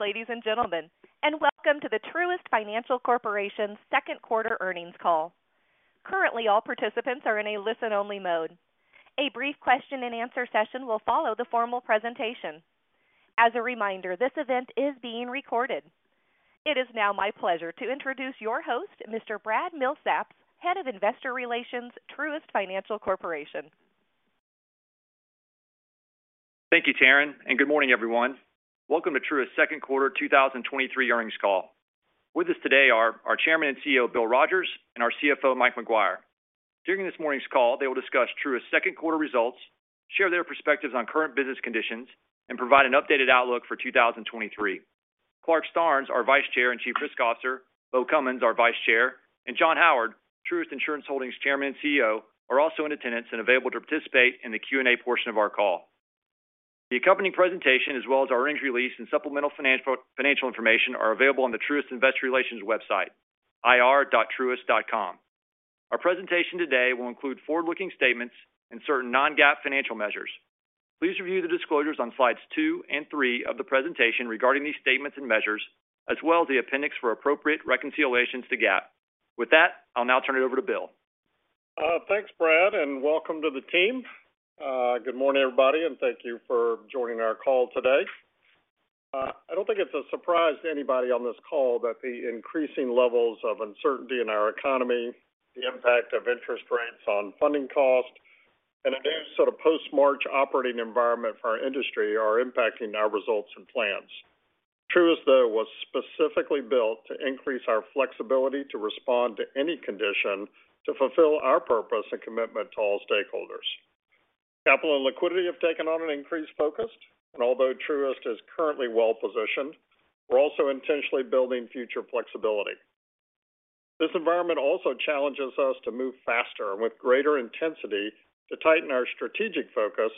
Greetings, ladies and gentlemen. Welcome to the Truist Financial Corporation's Q2 earnings call. Currently, all participants are in a listen-only mode. A brief question and answer session will follow the formal presentation. As a reminder, this event is being recorded. It is now my pleasure to introduce your host, Mr. Brad Milsaps, Head of Investor Relations, Truist Financial Corporation. Thank you, Taryn. Good morning, everyone. Welcome to Truist's Q2 2023 earnings call. With us today are our Chairman and CEO, Bill Rogers, and our CFO, Mike McGuire. During this morning's call, they will discuss Truist's Q2 results, share their perspectives on current business conditions, and provide an updated outlook for 2023. Clarke Starnes, our Vice Chair and Chief Risk Officer, Bo Cummins, our Vice Chair, and John Howard, Truist Insurance Holdings Chairman and CEO, are also in attendance and available to participate in the Q&A portion of our call. The accompanying presentation, as well as our earnings release and supplemental financial information, are available on the Truist Investor Relations website, ir.truist.com. Our presentation today will include forward-looking statements and certain non-GAAP financial measures. Please review the disclosures on slides 2 and 3 of the presentation regarding these statements and measures, as well as the appendix for appropriate reconciliations to GAAP. With that, I'll now turn it over to Bill. Thanks, Brad, and welcome to the team. Good morning, everybody, and thank you for joining our call today. I don't think it's a surprise to anybody on this call that the increasing levels of uncertainty in our economy, the impact of interest rates on funding costs, and a new sort of post-March operating environment for our industry are impacting our results and plans. Truist, though, was specifically built to increase our flexibility to respond to any condition to fulfill our purpose and commitment to all stakeholders. Capital and liquidity have taken on an increased focus, and although Truist is currently well-positioned, we're also intentionally building future flexibility. This environment also challenges us to move faster and with greater intensity to tighten our strategic focus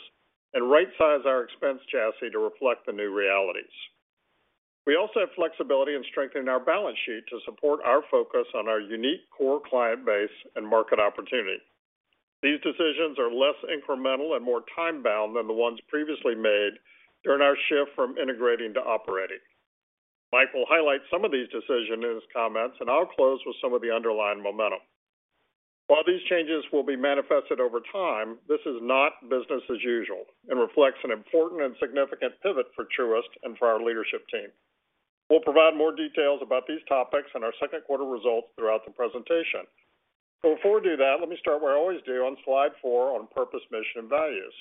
and rightsize our expense chassis to reflect the new realities. We also have flexibility in strengthening our balance sheet to support our focus on our unique core client base and market opportunity. These decisions are less incremental and more time-bound than the ones previously made during our shift from integrating to operating. Mike will highlight some of these decisions in his comments, I'll close with some of the underlying momentum. While these changes will be manifested over time, this is not business as usual and reflects an important and significant pivot for Truist and for our leadership team. We'll provide more details about these topics and our Q2 results throughout the presentation. Before we do that, let me start where I always do on slide four on purpose, mission, and values.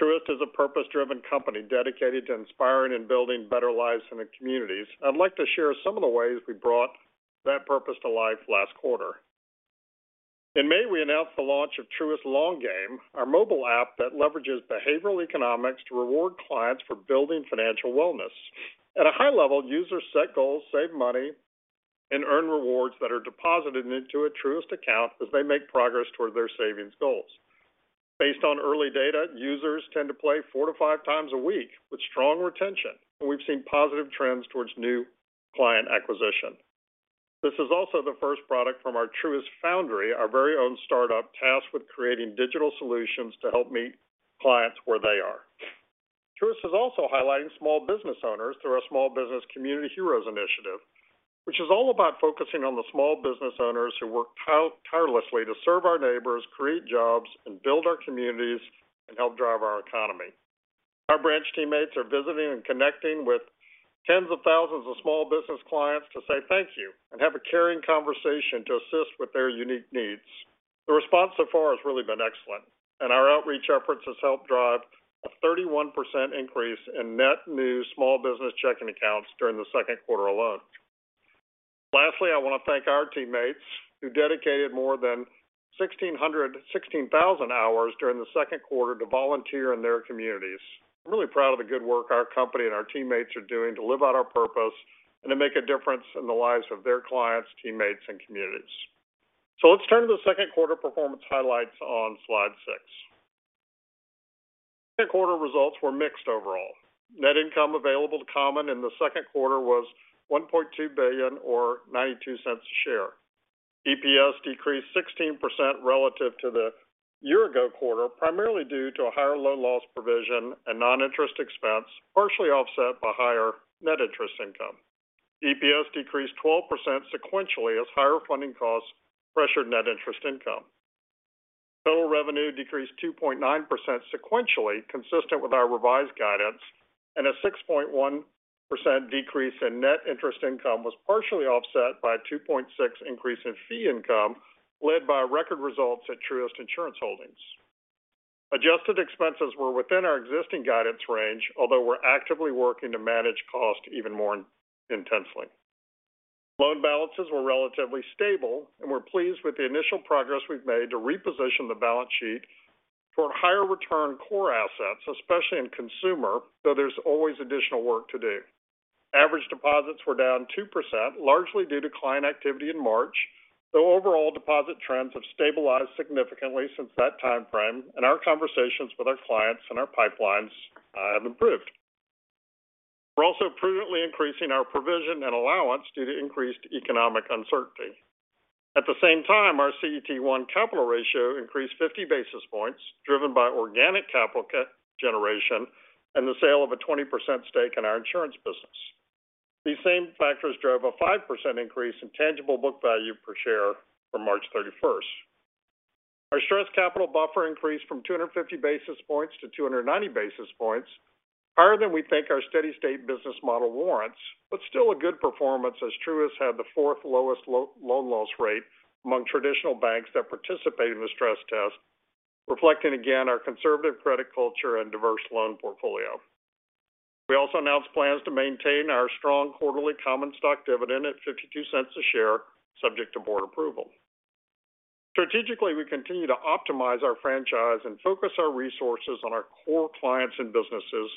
Truist is a purpose-driven company dedicated to inspiring and building better lives in the communities. I'd like to share some of the ways we brought that purpose to life last quarter. In May, we announced the launch of Truist Long Game, our mobile app that leverages behavioral economics to reward clients for building financial wellness. At a high level, users set goals, save money, and earn rewards that are deposited into a Truist account as they make progress toward their savings goals. Based on early data, users tend to play four to five times a week with strong retention, and we've seen positive trends towards new client acquisition. This is also the first product from our Truist Foundry, our very own startup, tasked with creating digital solutions to help meet clients where they are. Truist is also highlighting small business owners through our Small Business Community Heroes initiative, which is all about focusing on the small business owners who work tirelessly to serve our neighbors, create jobs, and build our communities, and help drive our economy. Our branch teammates are visiting and connecting with tens of thousands of small business clients to say thank you and have a caring conversation to assist with their unique needs. The response so far has really been excellent, and our outreach efforts have helped drive a 31% increase in net new small business checking accounts during the Q2 alone. Lastly, I want to thank our teammates who dedicated more than 16,000 hours during the Q2 to volunteer in their communities. I'm really proud of the good work our company and our teammates are doing to live out our purpose and to make a difference in the lives of their clients, teammates, and communities. Let's turn to the Q2 performance highlights on slide 6. Q2 results were mixed overall. Net income available to common in the Q2 was $1.2 billion or $0.92 a share. EPS decreased 16% relative to the year ago quarter, primarily due to a higher loan loss provision and non-interest expense, partially offset by higher net interest income. EPS decreased 12% sequentially as higher funding costs pressured net interest income. Total revenue decreased 2.9% sequentially, consistent with our revised guidance, and a 6.1% decrease in net interest income was partially offset by a 2.6% increase in fee income, led by record results at Truist Insurance Holdings. Adjusted expenses were within our existing guidance range, although we're actively working to manage costs even more intensely. Loan balances were relatively stable, and we're pleased with the initial progress we've made to reposition the balance sheet for higher return core assets, especially in consumer, though there's always additional work to do. Average deposits were down 2%, largely due to client activity in March, though overall deposit trends have stabilized significantly since that time frame, and our conversations with our clients and our pipelines have improved. We're also prudently increasing our provision and allowance due to increased economic uncertainty. At the same time, our CET1 capital ratio increased 50 basis points, driven by organic capital generation and the sale of a 20% stake in our insurance business. These same factors drove a 5% increase in tangible book value per share from March 31st. Our stress capital buffer increased from 250 basis points to 290 basis points, higher than we think our steady-state business model warrants, but still a good performance as Truist had the 4th lowest loan loss rate among traditional banks that participated in the stress test, reflecting again our conservative credit culture and diverse loan portfolio. We also announced plans to maintain our strong quarterly common stock dividend at $0.52 a share, subject to board approval. Strategically, we continue to optimize our franchise and focus our resources on our core clients and businesses,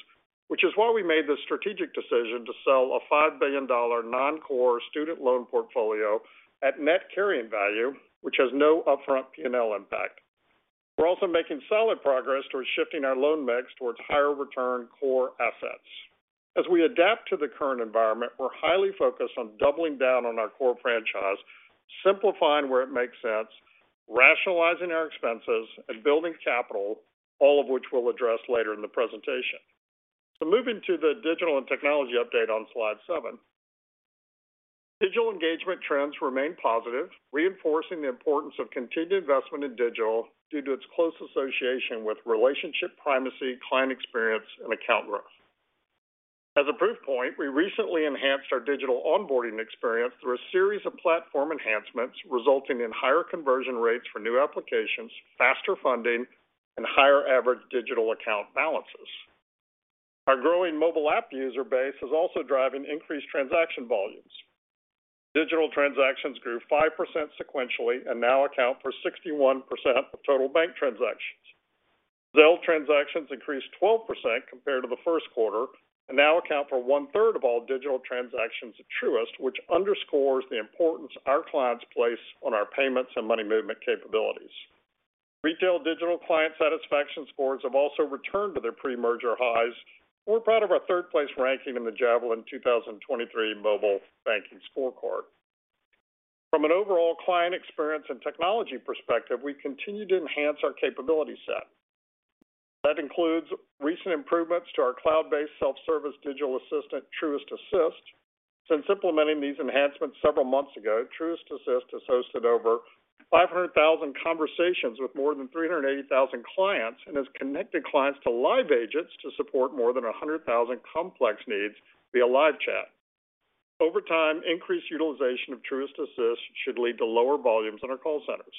which is why we made the strategic decision to sell a $5 billion non-core student loan portfolio at net carrying value, which has no upfront PNL impact. We're also making solid progress towards shifting our loan mix towards higher return core assets. As we adapt to the current environment, we're highly focused on doubling down on our core franchise, simplifying where it makes sense, rationalizing our expenses, and building capital, all of which we'll address later in the presentation. Moving to the digital and technology update on slide 7. Digital engagement trends remain positive, reinforcing the importance of continued investment in digital due to its close association with relationship primacy, client experience, and account growth. As a proof point, we recently enhanced our digital onboarding experience through a series of platform enhancements, resulting in higher conversion rates for new applications, faster funding, and higher average digital account balances. Our growing mobile app user base is also driving increased transaction volumes. Digital transactions grew 5% sequentially and now account for 61% of total bank transactions. Zelle transactions increased 12% compared to the Q1 and now account for one-third of all digital transactions at Truist, which underscores the importance our clients place on our payments and money movement capabilities. Retail digital client satisfaction scores have also returned to their pre-merger highs. We're proud of our third-place ranking in the Javelin 2023 Mobile Banking Scorecard. From an overall client experience and technology perspective, we continue to enhance our capability set. That includes recent improvements to our cloud-based self-service digital assistant, Truist Assist. Since implementing these enhancements several months ago, Truist Assist has hosted over 500,000 conversations with more than 380,000 clients and has connected clients to live agents to support more than 100,000 complex needs via live chat. Over time, increased utilization of Truist Assist should lead to lower volumes in our call centers.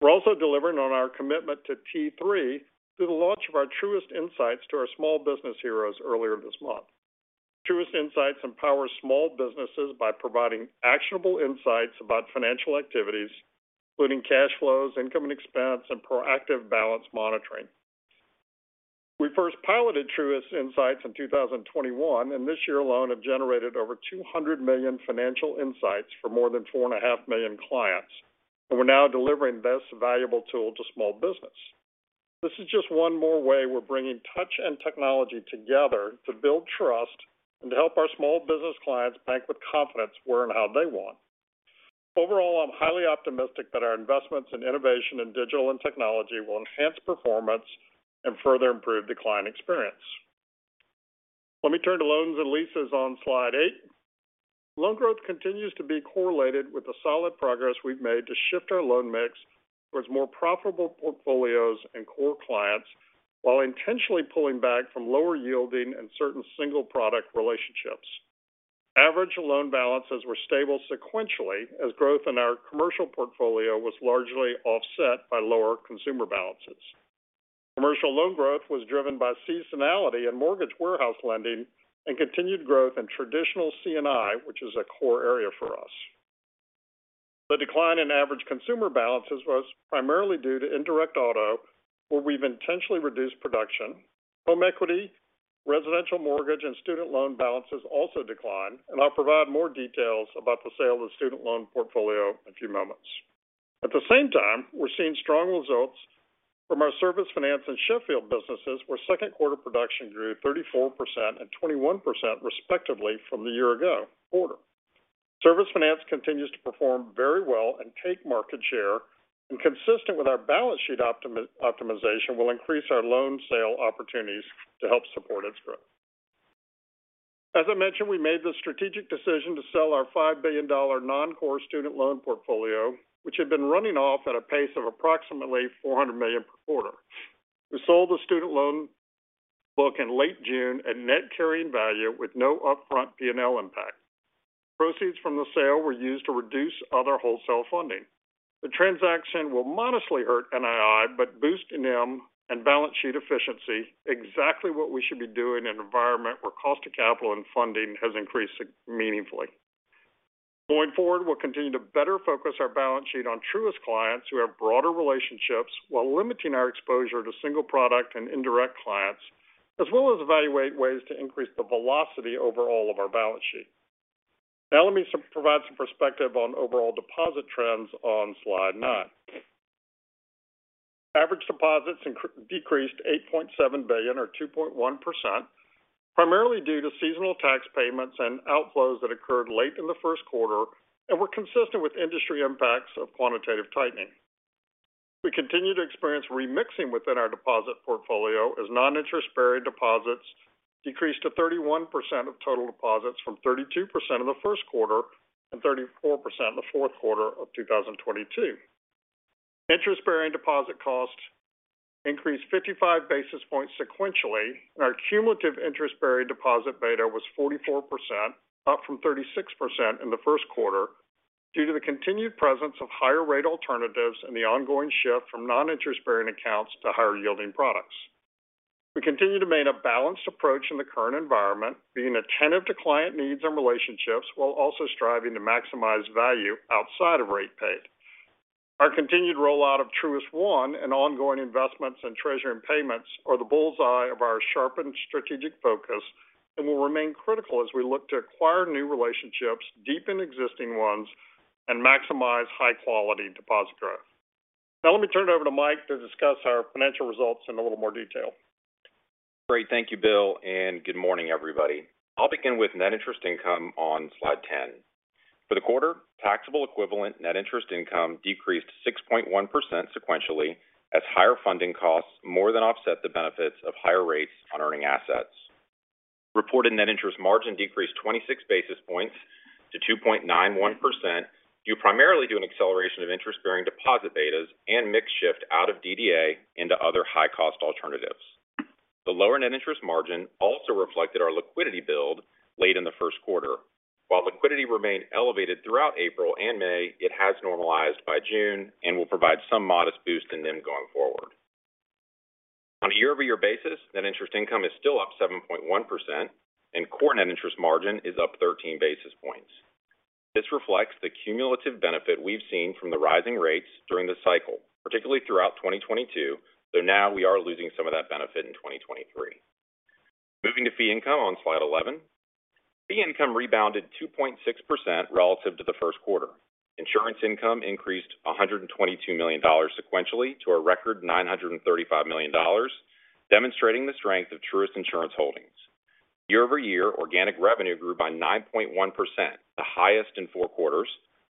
We're also delivering on our commitment to T3 through the launch of our Truist Insights to our Small Business Heroes earlier this month. Truist Insights empowers small businesses by providing actionable insights about financial activities, including cash flows, income and expense, and proactive balance monitoring. We first piloted Truist Insights in 2021. This year alone have generated over $200 million financial insights for more than 4.5 million clients. We're now delivering this valuable tool to small business. This is just one more way we're bringing touch and technology together to build trust and to help our small business clients bank with confidence where and how they want. Overall, I'm highly optimistic that our investments in innovation in digital and technology will enhance performance and further improve the client experience. Let me turn to loans and leases on slide 8. Loan growth continues to be correlated with the solid progress we've made to shift our loan mix towards more profitable portfolios and core clients, while intentionally pulling back from lower yielding and certain single product relationships. Average loan balances were stable sequentially, as growth in our commercial portfolio was largely offset by lower consumer balances. Commercial loan growth was driven by seasonality and mortgage warehouse lending and continued growth in traditional C&I, which is a core area for us. The decline in average consumer balances was primarily due to indirect auto, where we've intentionally reduced production. Home equity, residential mortgage, and student loan balances also declined, and I'll provide more details about the sale of the student loan portfolio in a few moments. At the same time, we're seeing strong results from our Service Finance and Sheffield businesses, where Q2 production grew 34% and 21% respectively from the year ago quarter. Service Finance continues to perform very well and take market share, and consistent with our balance sheet optimization, will increase our loan sale opportunities to help support its growth. As I mentioned, we made the strategic decision to sell our $5 billion non-core student loan portfolio, which had been running off at a pace of approximately $400 million per quarter. We sold the student loan book in late June at net carrying value with no upfront PNL impact. Proceeds from the sale were used to reduce other wholesale funding. The transaction will modestly hurt NII, but boost NIM and balance sheet efficiency, exactly what we should be doing in an environment where cost of capital and funding has increased meaningfully. Going forward, we'll continue to better focus our balance sheet on Truist clients who have broader relationships while limiting our exposure to single product and indirect clients, as well as evaluate ways to increase the velocity overall of our balance sheet. Let me provide some perspective on overall deposit trends on slide 9. deposits decreased $8.7 billion or 2.1%, primarily due to seasonal tax payments and outflows that occurred late in the Q1 and were consistent with industry impacts of quantitative tightening. We continue to experience remixing within our deposit portfolio as non-interest-bearing deposits decreased to 31% of total deposits from 32% in the Q1 and 34% in the Q4 of 2022. Interest-bearing deposit costs increased 55 basis points sequentially, and our cumulative interest-bearing deposit beta was 44%, up from 36% in the Q1, due to the continued presence of higher rate alternatives and the ongoing shift from non-interest-bearing accounts to higher yielding products. We continue to maintain a balanced approach in the current environment, being attentive to client needs and relationships while also striving to maximize value outside of rate paid. Our continued rollout of Truist One and ongoing investments in treasury and payments are the bull's eye of our sharpened strategic focus and will remain critical as we look to acquire new relationships, deepen existing ones, and maximize high-quality deposit growth. Let me turn it over to Mike to discuss our financial results in a little more detail. Great. Thank you, Bill. Good morning, everybody. I'll begin with net interest income on slide 10. For the quarter, taxable equivalent net interest income decreased 6.1% sequentially as higher funding costs more than offset the benefits of higher rates on earning assets. Reported net interest margin decreased 26 basis points to 2.91% due primarily to an acceleration of interest-bearing deposit betas and mix shift out of DDA into other high-cost alternatives. The lower net interest margin also reflected our liquidity build late in the Q1. While liquidity remained elevated throughout April and May, it has normalized by June and will provide some modest boost in NIM going forward. On a year-over-year basis, net interest income is still up 7.1%, core net interest margin is up 13 basis points. This reflects the cumulative benefit we've seen from the rising rates during the cycle, particularly throughout 2022, though now we are losing some of that benefit in 2023. Moving to fee income on slide 11. Fee income rebounded 2.6% relative to the Q1. Insurance income increased $122 million sequentially to a record $935 million, demonstrating the strength of Truist Insurance Holdings. Year-over-year, organic revenue grew by 9.1%, the highest in Q4,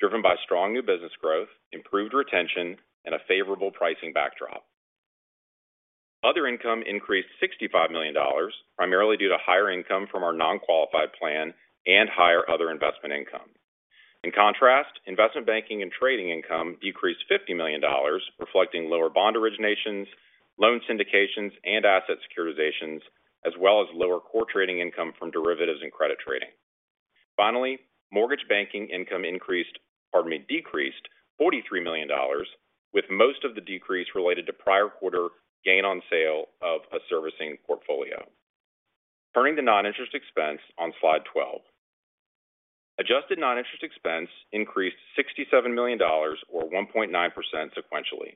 driven by strong new business growth, improved retention, and a favorable pricing backdrop. Other income increased $65 million, primarily due to higher income from our non-qualified plan and higher other investment income. In contrast, investment banking and trading income decreased $50 million, reflecting lower bond originations, loan syndications, and asset securitizations, as well as lower core trading income from derivatives and credit trading. Finally, mortgage banking income increased, pardon me, decreased $43 million, with most of the decrease related to prior quarter gain on sale of a servicing portfolio. Turning to non-interest expense on slide 12. Adjusted non-interest expense increased $67 million or 1.9% sequentially.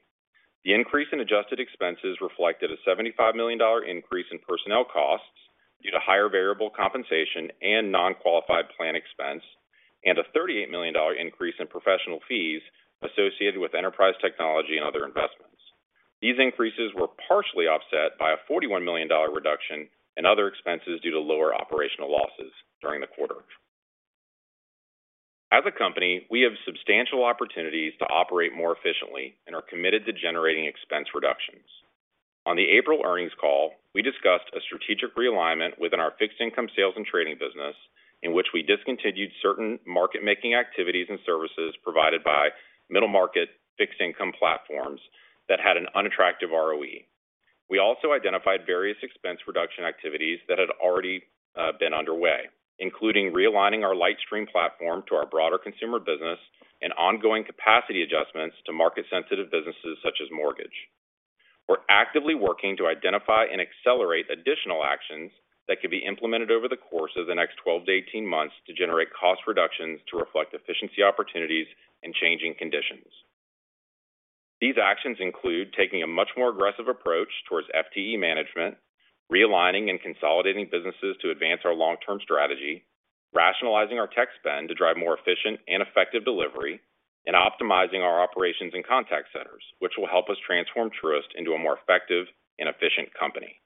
The increase in adjusted expenses reflected a $75 million increase in personnel costs due to higher variable compensation and non-qualified plan expense, and a $38 million increase in professional fees associated with enterprise technology and other investments. These increases were partially offset by a $41 million reduction in other expenses due to lower operational losses during the quarter. As a company, we have substantial opportunities to operate more efficiently and are committed to generating expense reductions. On the April earnings call, we discussed a strategic realignment within our fixed income sales and trading business, in which we discontinued certain market-making activities and services provided by middle-market fixed income platforms that had an unattractive ROE. We also identified various expense reduction activities that had already been underway, including realigning our LightStream platform to our broader consumer business and ongoing capacity adjustments to market-sensitive businesses such as mortgage. We're actively working to identify and accelerate additional actions that could be implemented over the course of the next 12 to 18 months to generate cost reductions to reflect efficiency opportunities and changing conditions. These actions include taking a much more aggressive approach towards FTE management, realigning and consolidating businesses to advance our long-term strategy, rationalizing our tech spend to drive more efficient and effective delivery, and optimizing our operations and contact centers, which will help us transform Truist into a more effective and efficient company.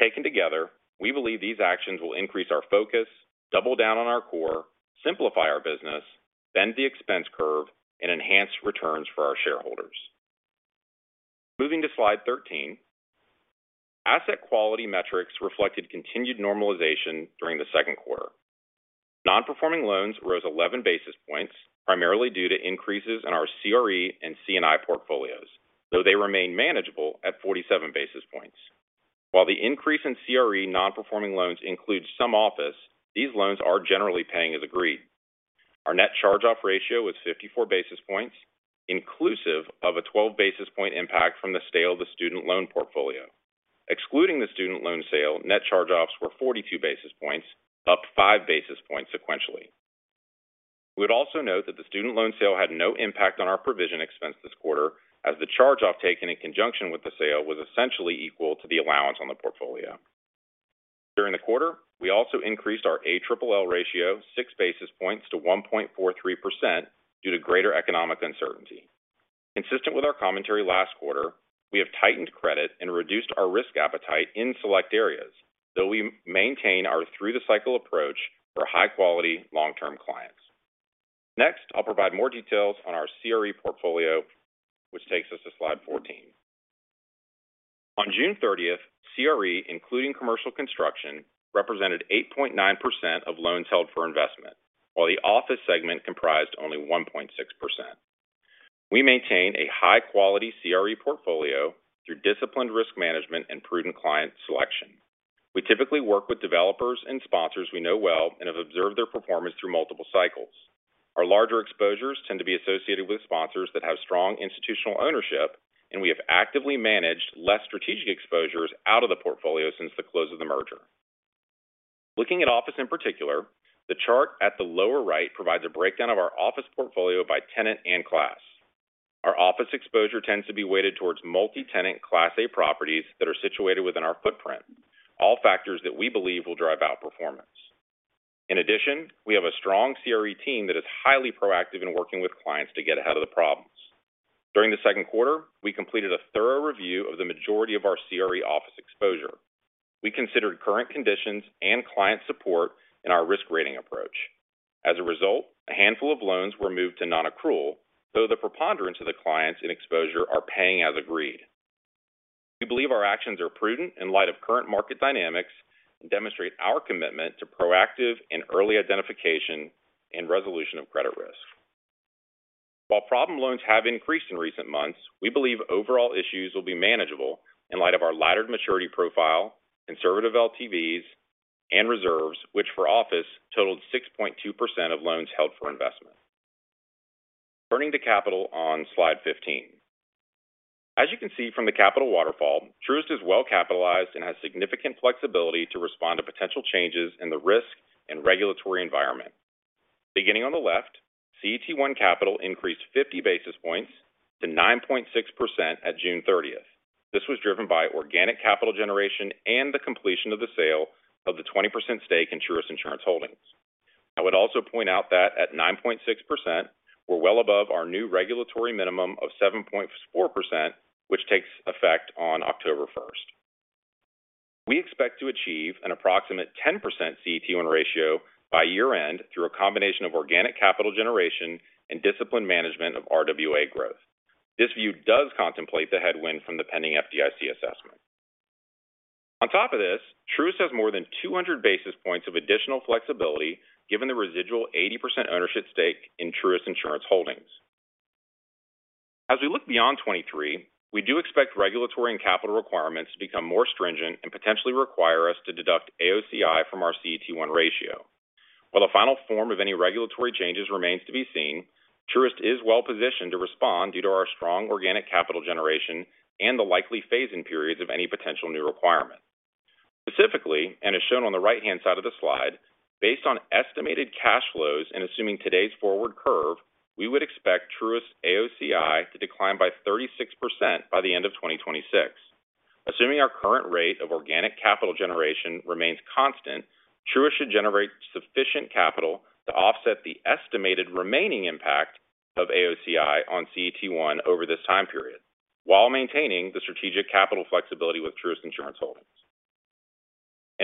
Taken together, we believe these actions will increase our focus, double down on our core, simplify our business, bend the expense curve, and enhance returns for our shareholders. Moving to slide 13. Asset quality metrics reflected continued normalization during the Q2. Non-performing loans rose 11 basis points, primarily due to increases in our CRE and C&I portfolios, though they remain manageable at 47 basis points. While the increase in CRE non-performing loans includes some office, these loans are generally paying as agreed. Our net charge-off ratio was 54 basis points, inclusive of a 12 basis point impact from the sale of the student loan portfolio. Excluding the student loan sale, net charge-offs were 42 basis points, up 5 basis points sequentially. We would also note that the student loan sale had no impact on our provision expense this quarter, as the charge-off taken in conjunction with the sale was essentially equal to the allowance on the portfolio. During the quarter, we also increased our ALLL ratio 6 basis points to 1.43% due to greater economic uncertainty. Consistent with our commentary last quarter, we have tightened credit and reduced our risk appetite in select areas, though we maintain our through-the-cycle approach for high-quality long-term clients. I'll provide more details on our CRE portfolio, which takes us to slide 14. On June 30th, CRE, including commercial construction, represented 8.9% of loans held for investment, while the office segment comprised only 1.6%. We maintain a high-quality CRE portfolio through disciplined risk management and prudent client selection. We typically work with developers and sponsors we know well and have observed their performance through multiple cycles. Our larger exposures tend to be associated with sponsors that have strong institutional ownership. We have actively managed less strategic exposures out of the portfolio since the close of the merger. Looking at office in particular, the chart at the lower right provides a breakdown of our office portfolio by tenant and Class A. Our office exposure tends to be weighted towards multi-tenant Class A properties that are situated within our footprint, all factors that we believe will drive outperformance. In addition, we have a strong CRE team that is highly proactive in working with clients to get ahead of the problems. During the Q2, we completed a thorough review of the majority of our CRE office exposure. We considered current conditions and client support in our risk rating approach. As a result, a handful of loans were moved to non-accrual, though the preponderance of the clients in exposure are paying as agreed. We believe our actions are prudent in light of current market dynamics and demonstrate our commitment to proactive and early identification and resolution of credit risk. While problem loans have increased in recent months, we believe overall issues will be manageable in light of our laddered maturity profile, conservative LTVs, and reserves, which for office totaled 6.2% of loans held for investment. Turning to capital on slide 15. As you can see from the capital waterfall, Truist is well capitalized and has significant flexibility to respond to potential changes in the risk and regulatory environment. Beginning on the left, CET1 capital increased 50 basis points to 9.6% at June 30th. This was driven by organic capital generation and the completion of the sale of the 20% stake in Truist Insurance Holdings. I would also point out that at 9.6%, we're well above our new regulatory minimum of 7.4%, which takes effect on October 1st. We expect to achieve an approximate 10% CET1 ratio by year-end through a combination of organic capital generation and disciplined management of RWA growth. This view does contemplate the headwind from the pending FDIC assessment. On top of this, Truist has more than 200 basis points of additional flexibility given the residual 80% ownership stake in Truist Insurance Holdings. We look beyond 2023, we do expect regulatory and capital requirements to become more stringent and potentially require us to deduct AOCI from our CET1 ratio. The final form of any regulatory changes remains to be seen, Truist is well positioned to respond due to our strong organic capital generation and the likely phase-in periods of any potential new requirements. Specifically, as shown on the right-hand side of the slide, based on estimated cash flows and assuming today's forward curve, we would expect Truist's AOCI to decline by 36% by the end of 2026. Assuming our current rate of organic capital generation remains constant, Truist should generate sufficient capital to offset the estimated remaining impact of AOCI on CET1 over this time period, while maintaining the strategic capital flexibility with Truist Insurance Holdings.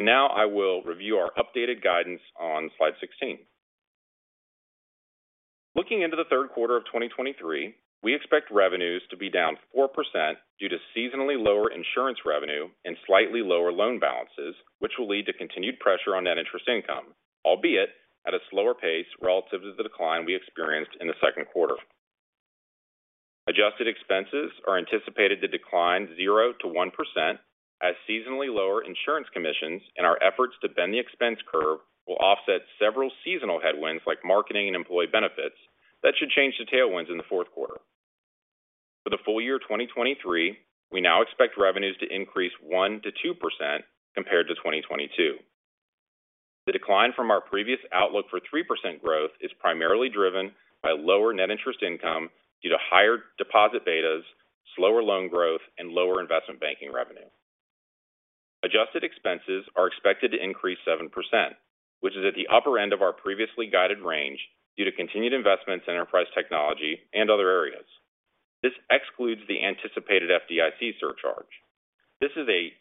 Now I will review our updated guidance on slide 16. Looking into the Q3 of 2023, we expect revenues to be down 4% due to seasonally lower insurance revenue and slightly lower loan balances, which will lead to continued pressure on net interest income, albeit at a slower pace relative to the decline we experienced in the Q2. Adjusted expenses are anticipated to decline 0%-1% as seasonally lower insurance commissions and our efforts to bend the expense curve will offset several seasonal headwinds, like marketing and employee benefits, that should change to tailwinds in the Q4. For the full year 2023, we now expect revenues to increase 1%-2% compared to 2022. The decline from our previous outlook for 3% growth is primarily driven by lower net interest income due to higher deposit betas, slower loan growth, and lower investment banking revenue. Adjusted expenses are expected to increase 7%, which is at the upper end of our previously guided range due to continued investments in enterprise technology and other areas. This excludes the anticipated FDIC surcharge. This is a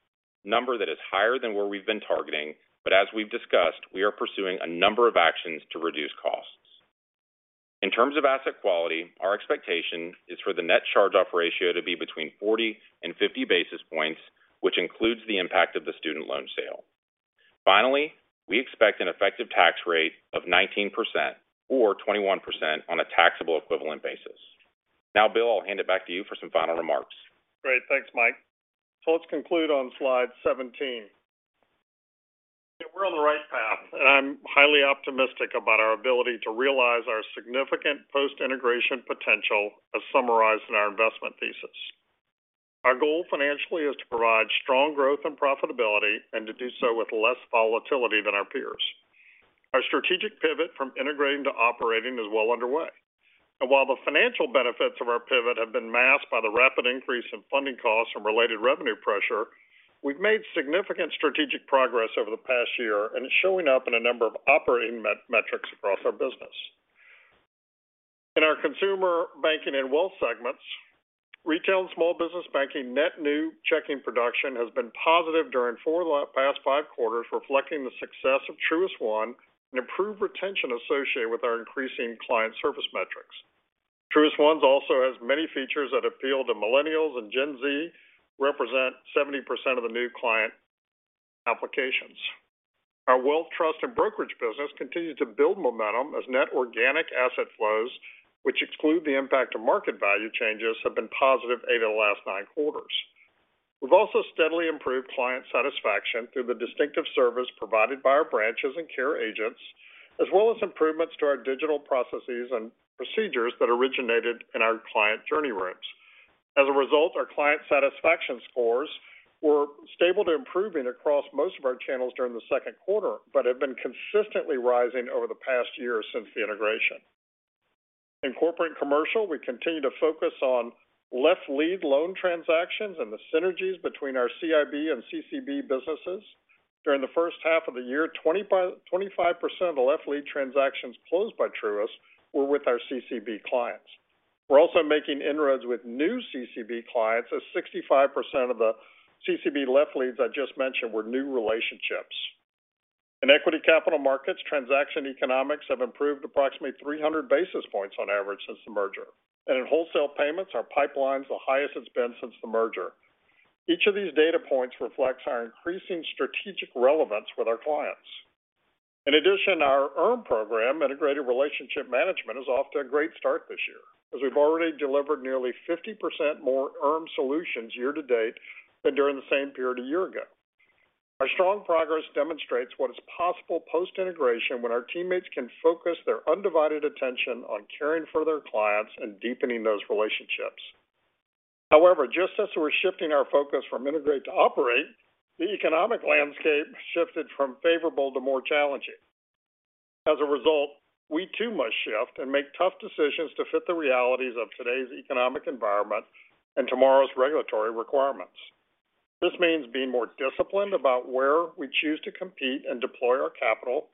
number that is higher than where we've been targeting, but as we've discussed, we are pursuing a number of actions to reduce costs. In terms of asset quality, our expectation is for the net charge-off ratio to be between 40 and 50 basis points, which includes the impact of the student loan sale. Finally, we expect an effective tax rate of 19% or 21% on a taxable equivalent basis. Bill, I'll hand it back to you for some final remarks. Great. Thanks, Mike. Let's conclude on slide 17. We're on the right path, and I'm highly optimistic about our ability to realize our significant post-integration potential, as summarized in our investment thesis. Our goal financially is to provide strong growth and profitability and to do so with less volatility than our peers. Our strategic pivot from integrating to operating is well underway. While the financial benefits of our pivot have been masked by the rapid increase in funding costs and related revenue pressure, we've made significant strategic progress over the past year, and it's showing up in a number of operating metrics across our business. In our consumer banking and wealth segments, retail and small business banking net new checking production has been positive during 4 of the past Q5, reflecting the success of Truist One and improved retention associated with our increasing client service metrics. Truist One also has many features that appeal to millennials. Gen Z represent 70% of the new client applications. Our wealth trust and brokerage business continues to build momentum as net organic asset flows, which exclude the impact of market value changes, have been positive 8 of the last Q9. We've also steadily improved client satisfaction through the distinctive service provided by our branches and care agents, as well as improvements to our digital processes and procedures that originated in our client journey rooms. As a result, our client satisfaction scores were stable to improving across most of our channels during the Q2, but have been consistently rising over the past year since the integration. In corporate commercial, we continue to focus on left lead loan transactions and the synergies between our CIB and CCB businesses. During the first half of the year, 25% of the left lead transactions closed by Truist were with our CCB clients. We're also making inroads with new CCB clients, as 65% of the CCB left leads I just mentioned were new relationships. In equity capital markets, transaction economics have improved approximately 300 basis points on average since the merger. In wholesale payments, our pipeline's the highest it's been since the merger. Each of these data points reflects our increasing strategic relevance with our clients. In addition, our IRM program, Integrated Relationship Management, is off to a great start this year, as we've already delivered nearly 50% more IRM solutions year to date than during the same period a year ago. Our strong progress demonstrates what is possible post-integration, when our teammates can focus their undivided attention on caring for their clients and deepening those relationships. Just as we're shifting our focus from integrate to operate, the economic landscape shifted from favorable to more challenging. We too must shift and make tough decisions to fit the realities of today's economic environment and tomorrow's regulatory requirements. This means being more disciplined about where we choose to compete and deploy our capital,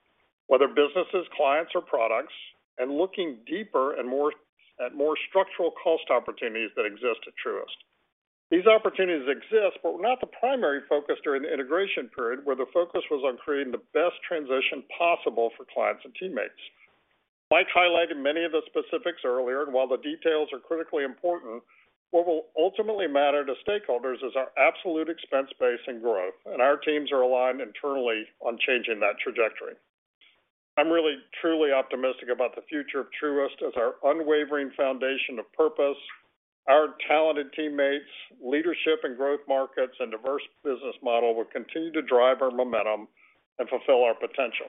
whether businesses, clients, or products, and looking deeper and more, at more structural cost opportunities that exist at Truist. These opportunities exist, but were not the primary focus during the integration period, where the focus was on creating the best transition possible for clients and teammates. Mike highlighted many of the specifics earlier, and while the details are critically important, what will ultimately matter to stakeholders is our absolute expense base and growth, and our teams are aligned internally on changing that trajectory. I'm really truly optimistic about the future of Truist as our unwavering foundation of purpose, our talented teammates, leadership and growth markets, and diverse business model will continue to drive our momentum and fulfill our potential.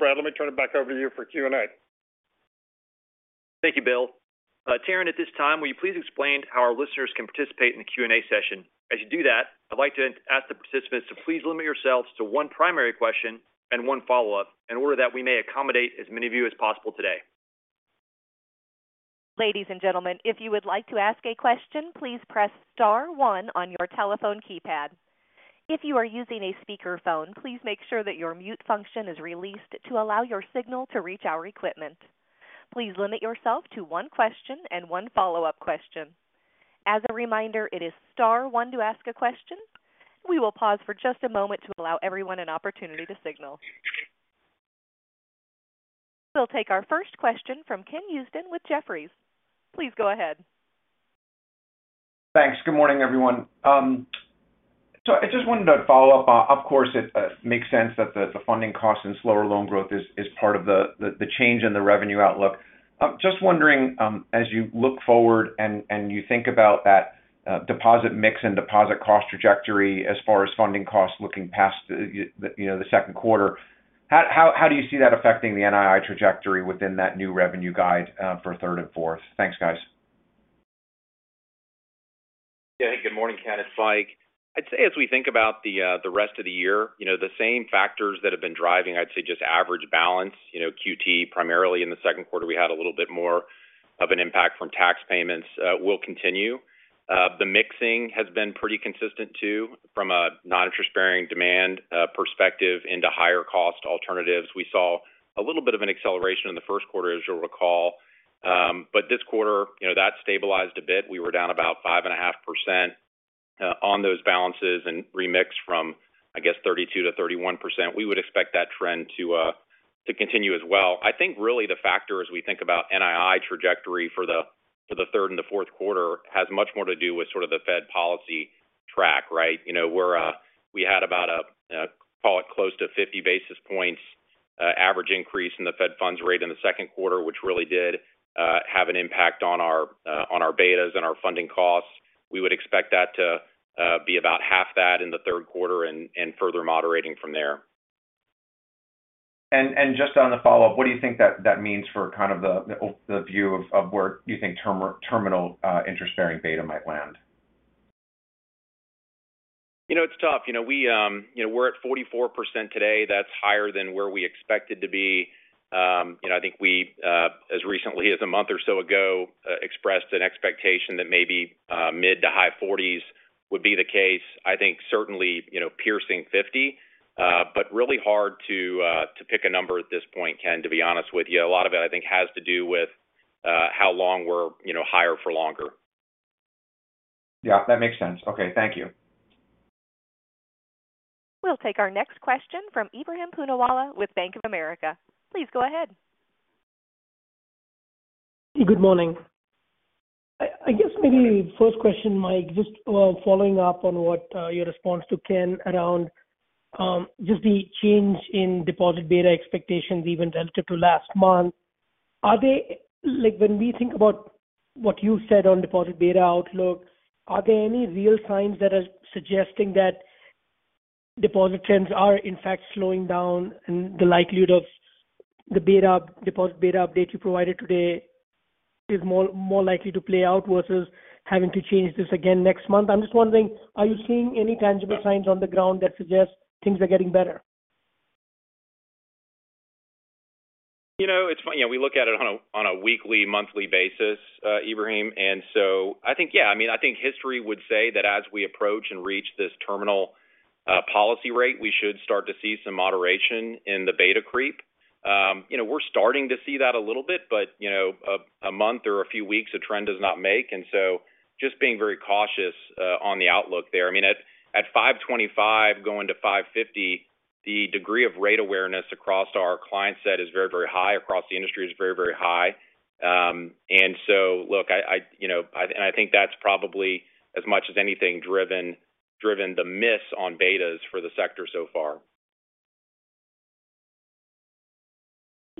Brad, let me turn it back over to you for Q&A. Thank you, Bill. Karen, at this time, will you please explain how our listeners can participate in the Q&A session? As you do that, I'd like to ask the participants to please limit yourselves to one primary question and one follow-up, in order that we may accommodate as many of you as possible today. Ladies and gentlemen, if you would like to ask a question, please press star one on your telephone keypad. If you are using a speakerphone, please make sure that your mute function is released to allow your signal to reach our equipment. Please limit yourself to one question and one follow-up question. As a reminder, it is star one to ask a question. We will pause for just a moment to allow everyone an opportunity to signal. We'll take our first question from Ken Usdin with Jefferies. Please go ahead. Thanks. Good morning, everyone. I just wanted to follow up. Of course, it makes sense that the funding costs and slower loan growth is part of the change in the revenue outlook. I'm just wondering, as you look forward and you think about that deposit mix and deposit cost trajectory as far as funding costs, looking past the Q2, how do you see that affecting the NII trajectory within that new revenue guide for third and fourth? Thanks, guys. Yeah, good morning, Ken. It's Mike. I'd say as we think about the rest of the year, the same factors that have been driving, I'd say just average balance, QT, primarily in the Q2, we had a little bit more of an impact from tax payments, will continue. The mixing has been pretty consistent, too, from a non-interest-bearing demand perspective into higher-cost alternatives. We saw a little bit of an acceleration in the Q1, as you'll recall. This quarter, that stabilized a bit. We were down about 5.5% on those balances and remixed from, I guess, 32%-31%. We would expect that trend to continue as well. I think really the factor as we think about NII trajectory for the third and the Q4 has much more to do with sort of the Fed policy track, right? We had about a, call it close to 50 basis points average increase in the Fed funds rate in the Q2, which really did have an impact on our betas and our funding costs. We would expect that to be about half that in the Q3 and further moderating from there. Just on the follow-up, what do you think that means for kind of the view of where you think terminal, interest-bearing beta might land? It's tough. Were at 44% today. That's higher than where we expected to be. You know, I think we, as recently as a month or so ago, expressed an expectation that maybe, mid-to-high 40s would be the case. I think certainly, piercing 50, but really hard to pick a number at this point, Ken, to be honest with you. A lot of it, I think, has to do with, how long we're, higher for longer. Yeah, that makes sense. Okay. Thank you. We'll take our next question from Ebrahim Poonawala with Bank of America. Please go ahead. Good morning. I guess maybe first question, Mike, just following up on what your response to Ken around just the change in deposit beta expectations even relative to last month. Like, when we think about what you said on deposit beta outlook, are there any real signs that are suggesting that deposit trends are, in fact, slowing down and the likelihood of the beta, deposit beta update you provided today is more likely to play out versus having to change this again next month? I'm just wondering, are you seeing any tangible signs on the ground that suggest things are getting better? You know, it's funny, yeah, we look at it on a weekly, monthly basis, Ibrahim. I think, yeah, I mean, I think history would say that as we approach and reach this terminal policy rate, we should start to see some moderation in the beta creep. You know, we're starting to see that a little bit, but, a month or a few weeks, a trend does not make, and so just being very cautious on the outlook there. I mean, at 5.25% going to 5.50%, the degree of rate awareness across our client set is very, very high, across the industry is very, very high. Look, I, and I think that's probably as much as anything driven the miss on betas for the sector so far.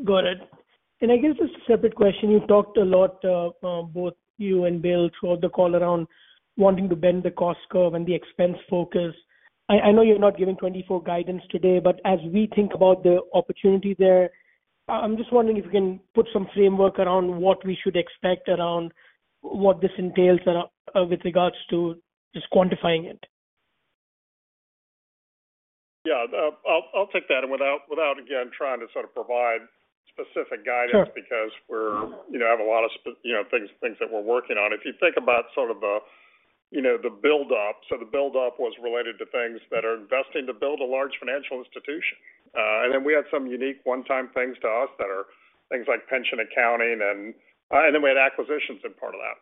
Got it. I guess just a separate question. You talked a lot, both you and Bill, throughout the call around wanting to bend the cost curve and the expense focus. I know you're not giving 2024 guidance today, but as we think about the opportunity there, I'm just wondering if you can put some framework around what we should expect around what this entails, with regards to just quantifying it. Yeah, I'll take that. without again, trying to sort of provide specific guidance. Sure. Because we're, have a lot of things that we're working on. If you think about sort of the, the buildup. The buildup was related to things that are investing to build a large financial institution. Then we had some unique one-time things to us that are things like pension accounting and then we had acquisitions in part of that.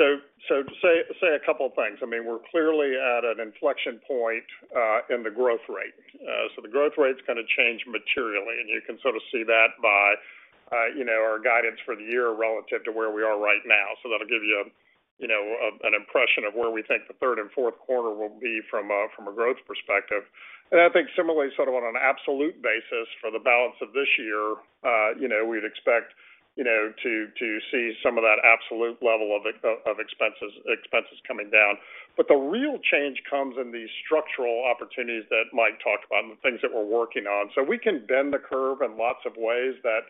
To say a couple of things. I mean, we're clearly at an inflection point in the growth rate. The growth rate is going to change materially, and you can sort of see that by, our guidance for the year relative to where we are right now. That'll give you an impression of where we think the Q3 and Q4 will be from a, from a growth perspective. I think similarly, sort of on an absolute basis for the balance of this year, we'd expect, to see some of that absolute level of expenses coming down. The real change comes in the structural opportunities that Mike talked about and the things that we're working on. We can bend the curve in lots of ways that,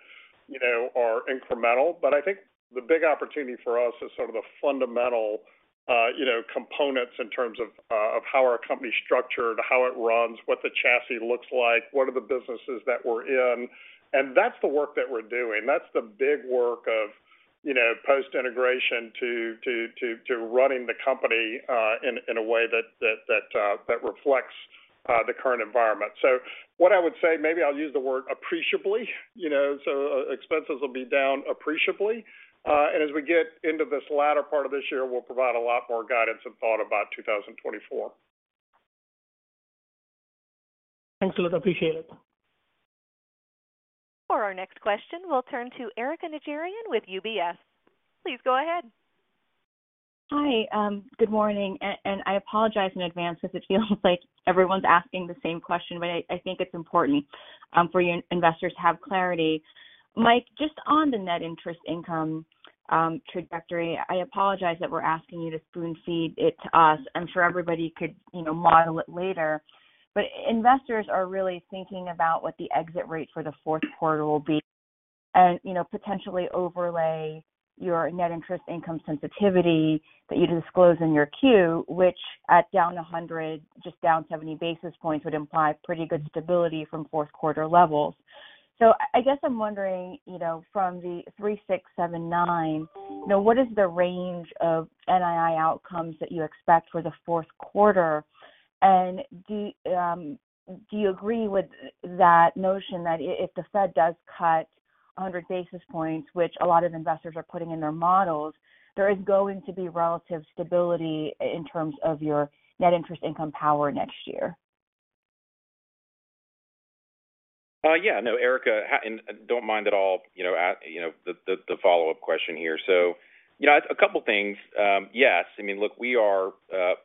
are incremental. I think the big opportunity for us is sort of the fundamental, components in terms of how our company is structured, how it runs, what the chassis looks like, what are the businesses that we're in. That's the work that we're doing. That's the big work of, post-integration to running the company in a way that reflects the current environment. What I would say, maybe I'll use the word appreciably. You know, expenses will be down appreciably. As we get into this latter part of this year, we'll provide a lot more guidance and thought about 2024. Thanks a lot. Appreciate it. For our next question, we'll turn to Erika Najarian with UBS. Please go ahead. Hi. Good morning, and I apologize in advance because it feels like everyone's asking the same question, but I think it's important for you investors to have clarity. Mike, just on the net interest income trajectory, I apologize that we're asking you to spoon-feed it to us. I'm sure everybody could, model it later. Investors are really thinking about what the exit rate for the Q4will be, and, potentially overlay your net interest income sensitivity that you disclose in your Q, which at down 100, just down 70 basis points, would imply pretty good stability from Q4 levels. I guess I'm wondering, from the 3, 6, 7, 9, now, what is the range of NII outcomes that you expect for the Q4? Do you agree with that notion that if the Fed does cut 100 basis points, which a lot of investors are putting in their models, there is going to be relative stability in terms of your net interest income power next year? Yeah. No, Erika, and don't mind at all, the follow-up question here. You know, a couple of things. Yes. I mean, look, we are,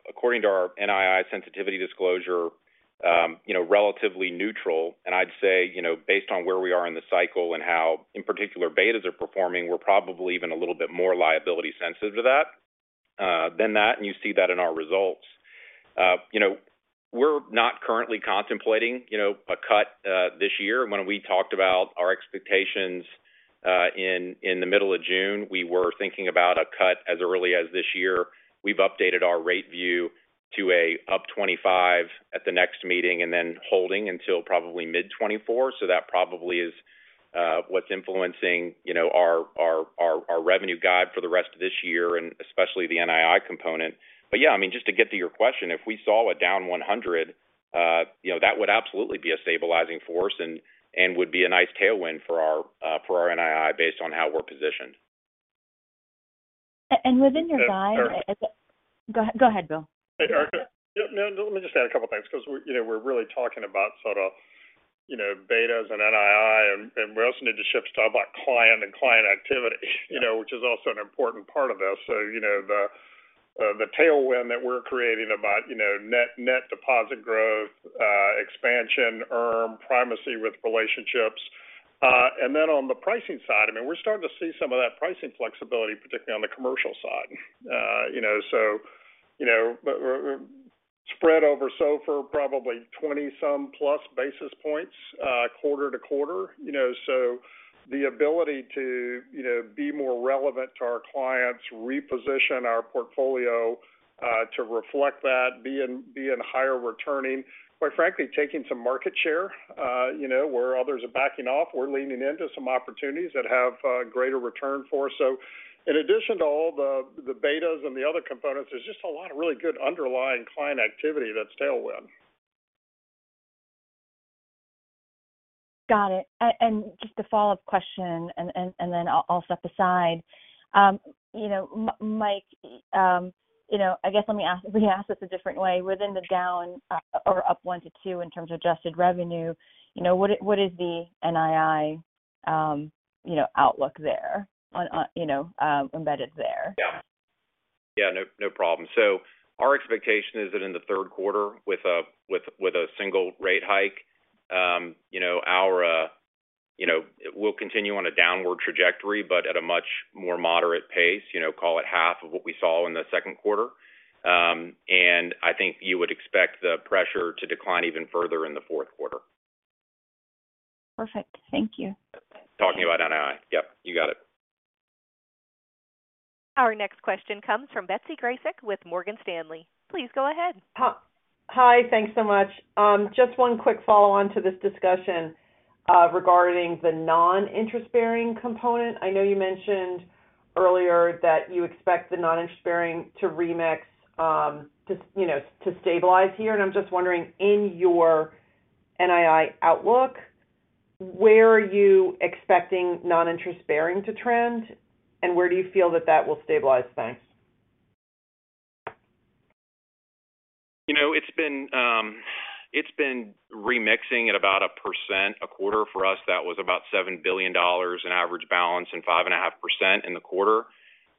according to our NII sensitivity disclosure, relatively neutral. I'd say, based on where we are in the cycle and how, in particular, betas are performing, we're probably even a little bit more liability sensitive to that than that, and you see that in our results. You know, we're not currently contemplating, a cut this year. When we talked about our expectations- in the middle of June, we were thinking about a cut as early as this year. We've updated our rate view to a up 25 at the next meeting and then holding until probably mid-2024. That probably is what's influencing, our revenue guide for the rest of this year and especially the NII component. Yeah, I mean, just to get to your question, if we saw a down 100, that would absolutely be a stabilizing force and would be a nice tailwind for our NII based on how we're positioned. Go ahead, Bill. Erika, let me just add a couple of things, because we're really talking about sort of, betas and NII, and we also need to shift to talk about client and client activity, which is also an important part of this. You know, the tailwind that we're creating about, net deposit growth, expansion, earn primacy with relationships. On the pricing side, I mean, we're starting to see some of that pricing flexibility, particularly on the commercial side. You know, we're spread over so for probably 20 some plus basis points quarter to quarter. You know, the ability to, be more relevant to our clients, reposition our portfolio to reflect that, being higher returning, quite frankly, taking some market share. Where others are backing off, we're leaning into some opportunities that have greater return for us. In addition to all the betas and the other components, there's just a lot of really good underlying client activity that's tailwind. Got it. Just a follow-up question, and then I'll step aside. Mike, guess let me ask this a different way. Within the down, or up 1%-2% in terms of adjusted revenue, what is the NII, outlook there on, embedded there? Yeah. Yeah, no problem. Our expectation is that in the Q3, with a single rate hike, our, we'll continue on a downward trajectory, but at a much more moderate pace, call it half of what we saw in the Q2. I think you would expect the pressure to decline even further in the Q4. Perfect. Thank you. Talking about NII. Yep, you got it. Our next question comes from Betsy Graseck with Morgan Stanley. Please go ahead. Hi, thanks so much. Just one quick follow-on to this discussion, regarding the non-interest bearing component. I know you mentioned earlier that you expect the non-interest bearing to remix, to, you know, to stabilize here. I'm just wondering, in your NII outlook, where are you expecting non-interest bearing to trend? Where do you feel that that will stabilize? Thanks. It's been, it's been remixing at about 1% a quarter. For us, that was about $7 billion in average balance and 5.5% in the quarter.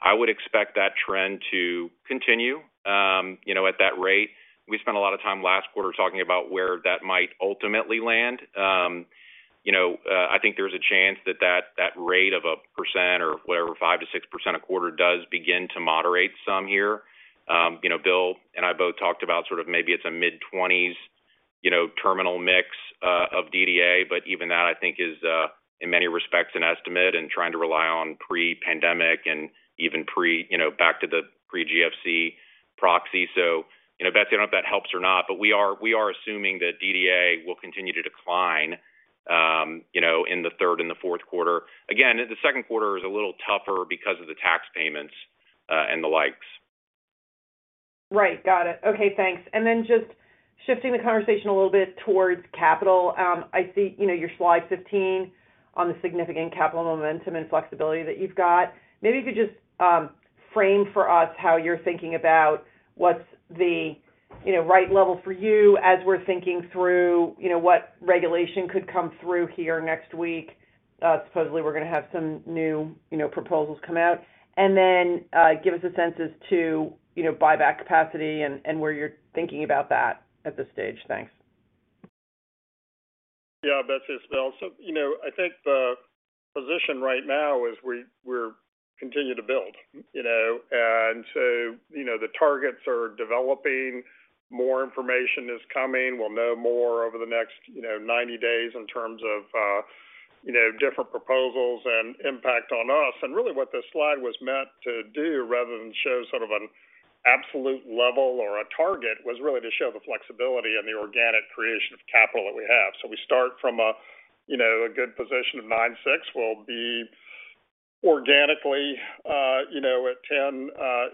I would expect that trend to continue, at that rate. We spent a lot of time last quarter talking about where that might ultimately land. I think there's a chance that that rate of 1% or whatever, 5%-6% a quarter, does begin to moderate some here. You know, Bill and I both talked about sort of maybe it's a mid-20s, terminal mix of DDA, but even that, I think is in many respects, an estimate and trying to rely on pre-pandemic and even pre, back to the pre-GFC proxy. Betsy, I don't know if that helps or not, but we are assuming that DDA will continue to decline, in the third and the Q4. Again, the Q2r is a little tougher because of the tax payments, and the likes. Right. Got it. Okay, thanks. Then just shifting the conversation a little bit towards capital. I see, your slide 15 on the significant capital momentum and flexibility that you've got. Maybe you could just frame for us how you're thinking about what's the, right level for you as we're thinking through, what regulation could come through here next week. Supposedly, we're going to have some new, proposals come out. Then, give us a sense as to, buyback capacity and where you're thinking about that at this stage. Thanks. Yeah, Betsy, it's Bill I think the position right now is we're continue to build, the targets are developing, more information is coming. We'll know more over the next, 90 days in terms of, different proposals and impact on us. Really, what this slide was meant to do, rather than show sort of an absolute level or a target, was really to show the flexibility and the organic creation of capital that we have. We start from a good position of 9/6. We'll be organically, at 10,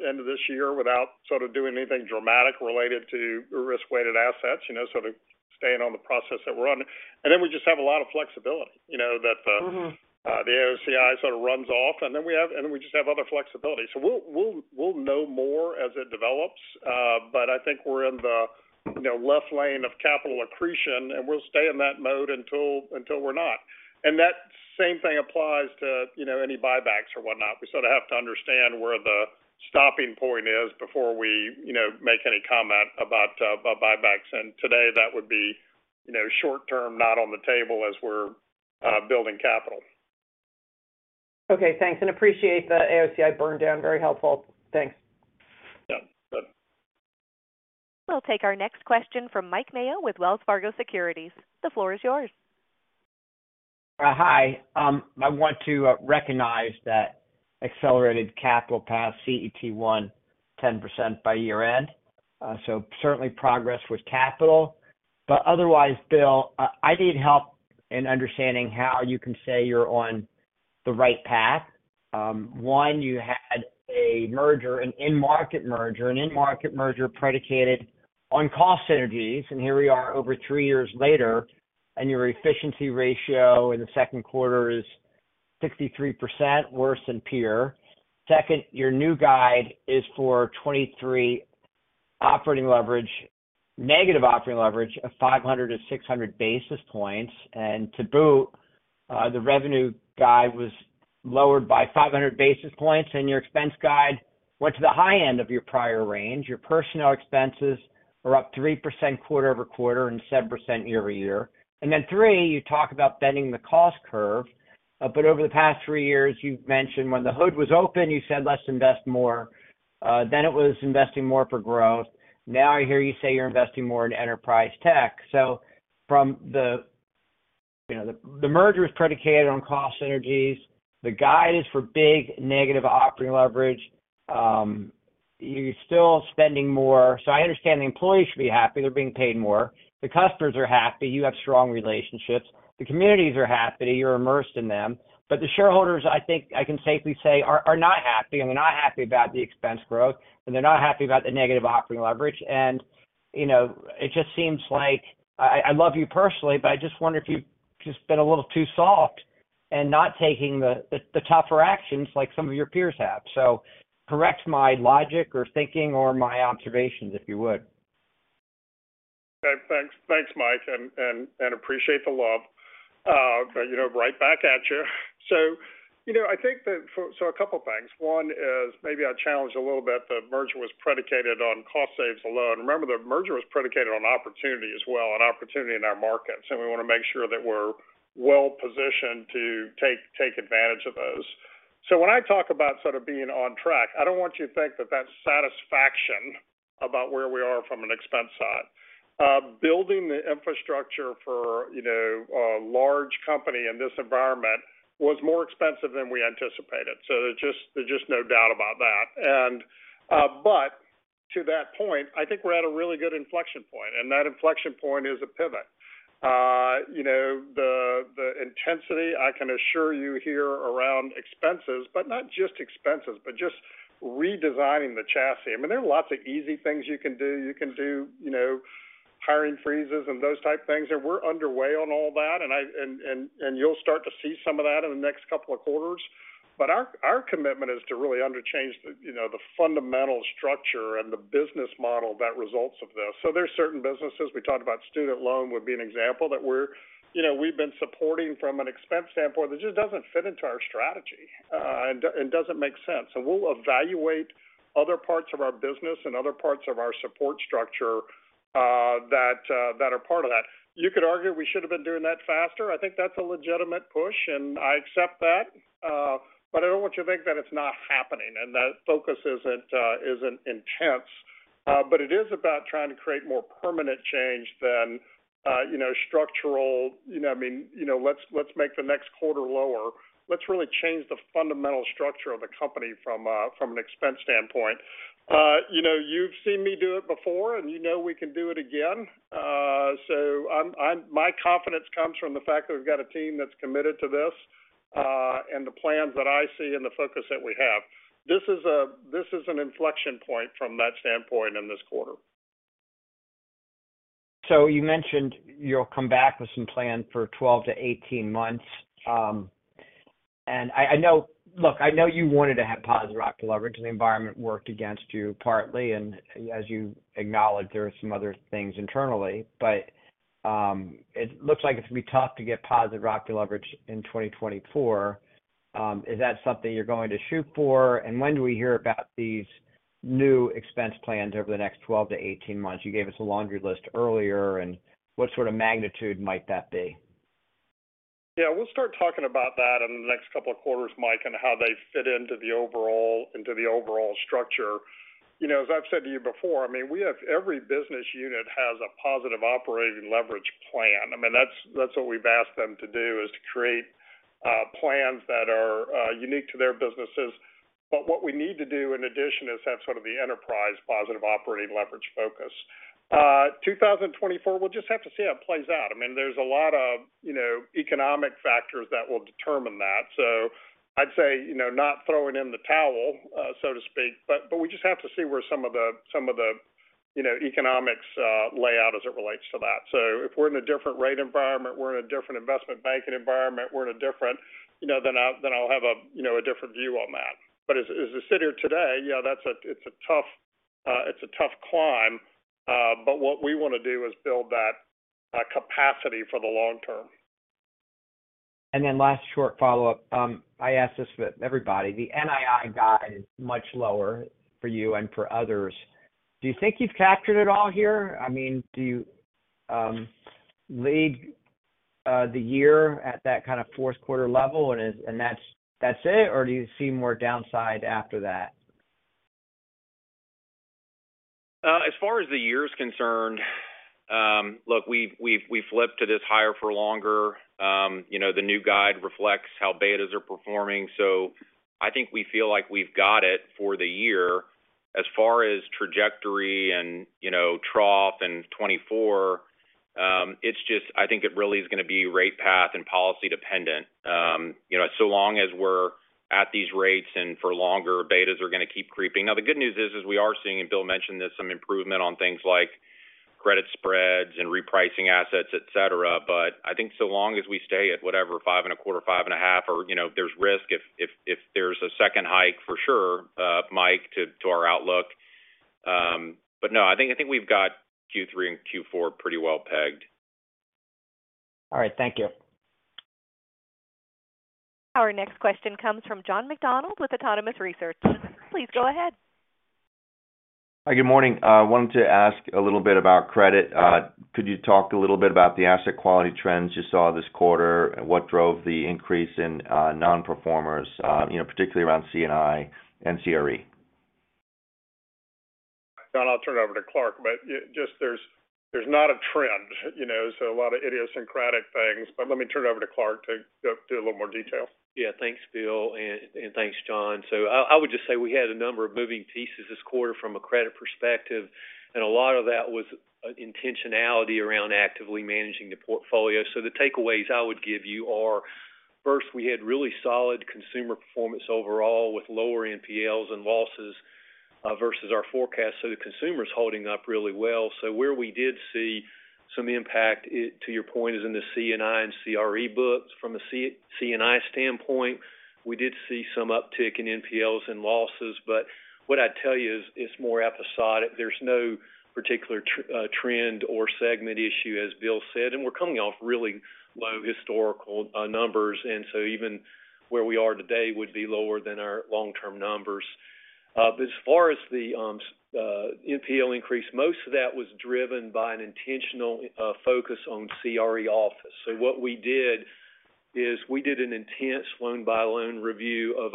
end of this year without sort of doing anything dramatic related to risk-weighted assets so to staying on the process that we're on. We just have a lot of flexibility, that the Mm-hmm. the AOCI sort of runs off, and then we just have other flexibility. We'll know more as it develops, but I think we're in the, left lane of capital accretion, and we'll stay in that mode until we're not. That same thing applies to, any buybacks or whatnot. We sort of have to understand where the stopping point is before we, make any comment about about buybacks. Today, that would be, short term, not on the table as we're building capital. Okay, thanks, and appreciate the AOCI burn down. Very helpful. Thanks. Yeah. Bye. We'll take our next question from Mike Mayo with Wells Fargo Securities. The floor is yours. Hi. I want to recognize that accelerated capital pass CET1, 10% by year-end. Certainly progress with capital. Otherwise, Bill, I need help in understanding how you can say you're on the right path. One, you had a merger, an in-market merger, an in-market merger predicated on cost synergies, and here we are over three years later, and your efficiency ratio in the Q2 is 63% worse than peer. Second, your new guide is for 2023 operating leverage, negative operating leverage of 500-600 basis points. To boot, the revenue guide was lowered by 500 basis points, and your expense guide went to the high end of your prior range. Your personnel expenses are up 3% quarter-over-quarter and 7% year-over-year. And then three, you talk about bending the cost curve. But over the past three years, you've mentioned when the hood was open, you said, Let's invest more. Then it was investing more for growth. Now, I hear you say you're investing more in enterprise tech. From the merger is predicated on cost synergies. The guide is for big negative operating leverage. You're still spending more. I understand the employees should be happy, they're being paid more. The customers are happy, you have strong relationships. The communities are happy, you're immersed in them. But the shareholders, I think I can safely say, are not happy. I mean, they're not happy about the expense growth, and they're not happy about the negative operating leverage. It just seems like, I love you personally, but I just wonder if you've just been a little too soft and not taking the tougher actions like some of your peers have. Correct my logic or thinking or my observations, if you would. Okay, thanks. Thanks, Mike, and appreciate the love right back at you. I think that a couple of things. One is maybe I challenged a little bit, the merger was predicated on cost saves alone. Remember, the merger was predicated on opportunity as well, an opportunity in our markets, and we want to make sure that we're well-positioned to take advantage of those. When I talk about sort of being on track, I don't want you to think that that's satisfaction about where we are from an expense side. Building the infrastructure for, a large company in this environment was more expensive than we anticipated. There's just no doubt about that. But to that point, I think we're at a really good inflection point, and that inflection point is a pivot. The intensity, I can assure you here around expenses, but not just expenses, but just redesigning the chassis. I mean, there are lots of easy things you can do. You can do, hiring freezes and those type of things. And we're underway on all that, and you'll start to see some of that in the next couple of quarters. Our commitment is to really change, the fundamental structure and the business model that results of this. There are certain businesses, we talked about student loan would be an example that we've been supporting from an expense standpoint. It just doesn't fit into our strategy, and doesn't make sense. We'll evaluate other parts of our business and other parts of our support structure that are part of that. You could argue we should have been doing that faster. I think that's a legitimate push, and I accept that. I don't want you to think that it's not happening and the focus isn't intense. It is about trying to create more permanent change than, structural. I mean, let's make the next quarter lower. Let's really change the fundamental structure of the company from an expense standpoint. You've seen me do it before, and we can do it again. I'm my confidence comes from the fact that we've got a team that's committed to this, and the plans that I see and the focus that we have. This is an inflection point from that standpoint in this quarter. You mentioned you'll come back with some plan for 12 to 18 months. I know... Look, I know you wanted to have positive rocking leverage, and the environment worked against you partly, and as you acknowledged, there are some other things internally, but, it looks like it's going to be tough to get positive rocking leverage in 2024. Is that something you're going to shoot for? When do we hear about these new expense plans over the next 12 to 18 months? You gave us a laundry list earlier, and what sort of magnitude might that be? Yeah, we'll start talking about that in the next couple of quarters, Mike, and how they fit into the overall structure. As I've said to you before, I mean, we have every business unit has a positive operating leverage plan. I mean, that's what we've asked them to do, is to create plans that are unique to their businesses. What we need to do in addition is have sort of the enterprise positive operating leverage focus. 2024, we'll just have to see how it plays out. I mean, there's a lot of, economic factors that will determine that. I'd say, not throwing in the towel, so to speak, but we just have to see where some of the, economics lay out as it relates to that. If we're in a different rate environment, we're in a different investment banking environment, we're in a different, then I'll have a different view on that. As I sit here today, yeah, that's a tough climb, but what we want to do is build that capacity for the long term. Last short follow-up. I ask this for everybody. The NII guide is much lower for you and for others. Do you think you've captured it all here? I mean, do you the year at that kind of Q4 level, and that's it? Do you see more downside after that? As far as the year is concerned, look, we've flipped to this higher for longer. The new guide reflects how betas are performing. I think we feel like we've got it for the year. As far as trajectory and, trough in 2024, it's just, I think it really is going to be rate path and policy dependent. So long as we're at these rates and for longer, betas are going to keep creeping. Now, the good news is we are seeing, and Bill mentioned this, some improvement on things like credit spreads and repricing assets, et cetera. I think so long as we stay at whatever, 5 and a quarter, 5 and a half, or, there's risk if there's a second hike for sure, Mike, to our outlook. No, I think we've got Q3 and Q4 pretty well pegged. All right. Thank you. Our next question comes from John McDonald with Autonomous Research. Please go ahead. Hi, good morning. I wanted to ask a little bit about credit. Could you talk a little bit about the asset quality trends you saw this quarter? What drove the increase in nonperformers, particularly around C&I and CRE? John, I'll turn it over to Clark, but just there's not a trend, so a lot of idiosyncratic things. Let me turn it over to Clark to go through a little more detail. Yeah. Thanks, Bill, and thanks, John. I would just say we had a number of moving pieces this quarter from a credit perspective, and a lot of that was intentionality around actively managing the portfolio. The takeaways I would give you are, first, we had really solid consumer performance overall, with lower NPLs and losses versus our forecast. The consumer is holding up really well. Where we did see some impact to your point, is in the C&I and CRE books. From a C&I standpoint, we did see some uptick in NPLs and losses. What I'd tell you is it's more episodic. There's no particular trend or segment issue, as Bill said, and we're coming off really low historical numbers, and so even where we are today would be lower than our long-term numbers. As far as the NPL increase, most of that was driven by an intentional focus on CRE office. What we did is we did an intense loan-by-loan review of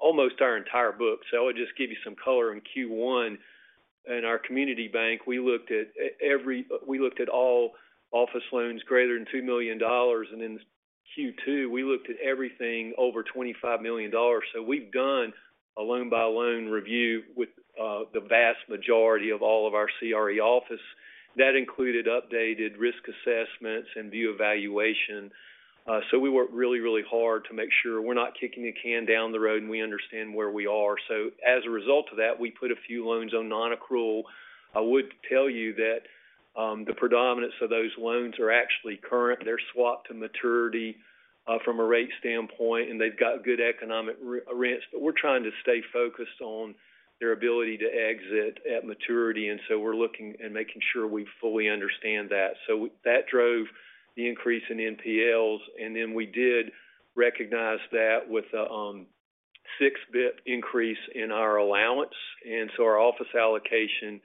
almost our entire book. I would just give you some color in Q1. In our community bank, we looked at all office loans greater than $2 million, and in Q2, we looked at everything over $25 million. We've done a loan-by-loan review with the vast majority of all of our CRE office. That included updated risk assessments and view evaluation. We worked really, really hard to make sure we're not kicking the can down the road, and we understand where we are. As a result of that, we put a few loans on nonaccrual. I would tell you that, the predominance of those loans are actually current. They're swapped to maturity, from a rate standpoint, and they've got good economic rents. We're trying to stay focused on their ability to exit at maturity, and so we're looking and making sure we fully understand that. That drove the increase in NPLs. We did recognize that with a 6 bip increase in our allowance. Our office allocation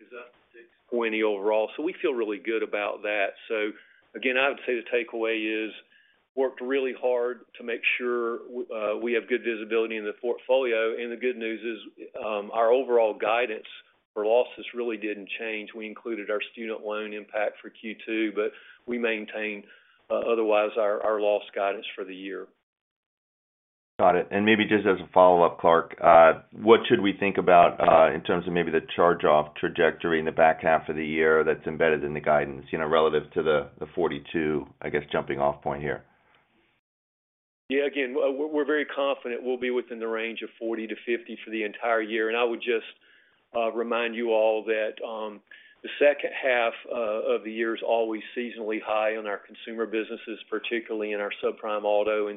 is up to 6.8 overall. We feel really good about that. Again, I would say the takeaway is, worked really hard to make sure we have good visibility in the portfolio. The good news is, our overall guidance for losses really didn't change. We included our student loan impact for Q2, but we maintained, otherwise our loss guidance for the year. Got it. Maybe just as a follow-up, Clarke, what should we think about in terms of maybe the charge-off trajectory in the back half of the year that's embedded in the guidance, relative to the 42, I guess, jumping-off point here? Yeah, again, we're very confident we'll be within the range of 40-50 for the entire year. I would just remind you all that the second half of the year is always seasonally high on our consumer businesses, particularly in our subprime auto.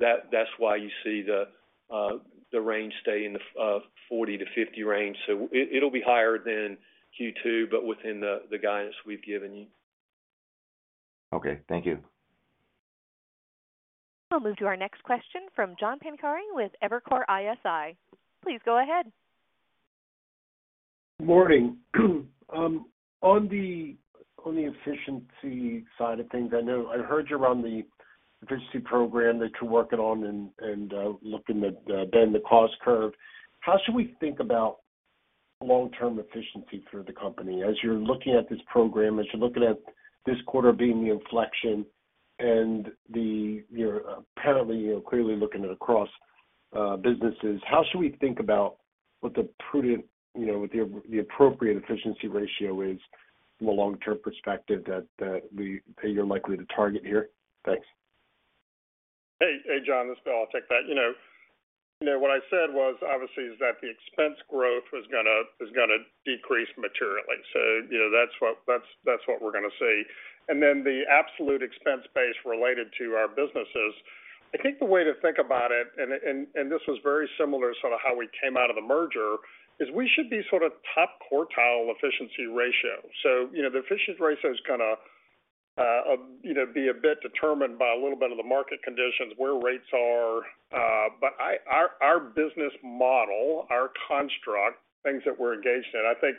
That's why you see the range stay in the 40-50 range. It'll be higher than Q2, but within the guidance we've given you. Okay, thank you. We'll move to our next question from John Pancari with Evercore ISI. Please go ahead. Morning. On the, on the efficiency side of things, I heard you're on the efficiency program that you're working on and looking to bend the cost curve. How should we think about long-term efficiency for the company? As you're looking at this program, as you're looking at this quarter being the inflection and the, you're apparently, you're clearly looking at across businesses, how should we think about what the prudent, what the appropriate efficiency ratio is from a long-term perspective that you're likely to target here? Thanks. Hey, John, this is Bill. I'll take that. You know, what I said was obviously is that the expense growth was gonna decrease materially. That's what, that's what we're gonna see. The absolute expense base related to our businesses, I think the way to think about it, and this was very similar to sort of how we came out of the merger, is we should be sort of top quartile efficiency ratio. The efficiency ratio is gonna, be a bit determined by a little bit of the market conditions, where rates are. Our business model, our construct, things that we're engaged in, I think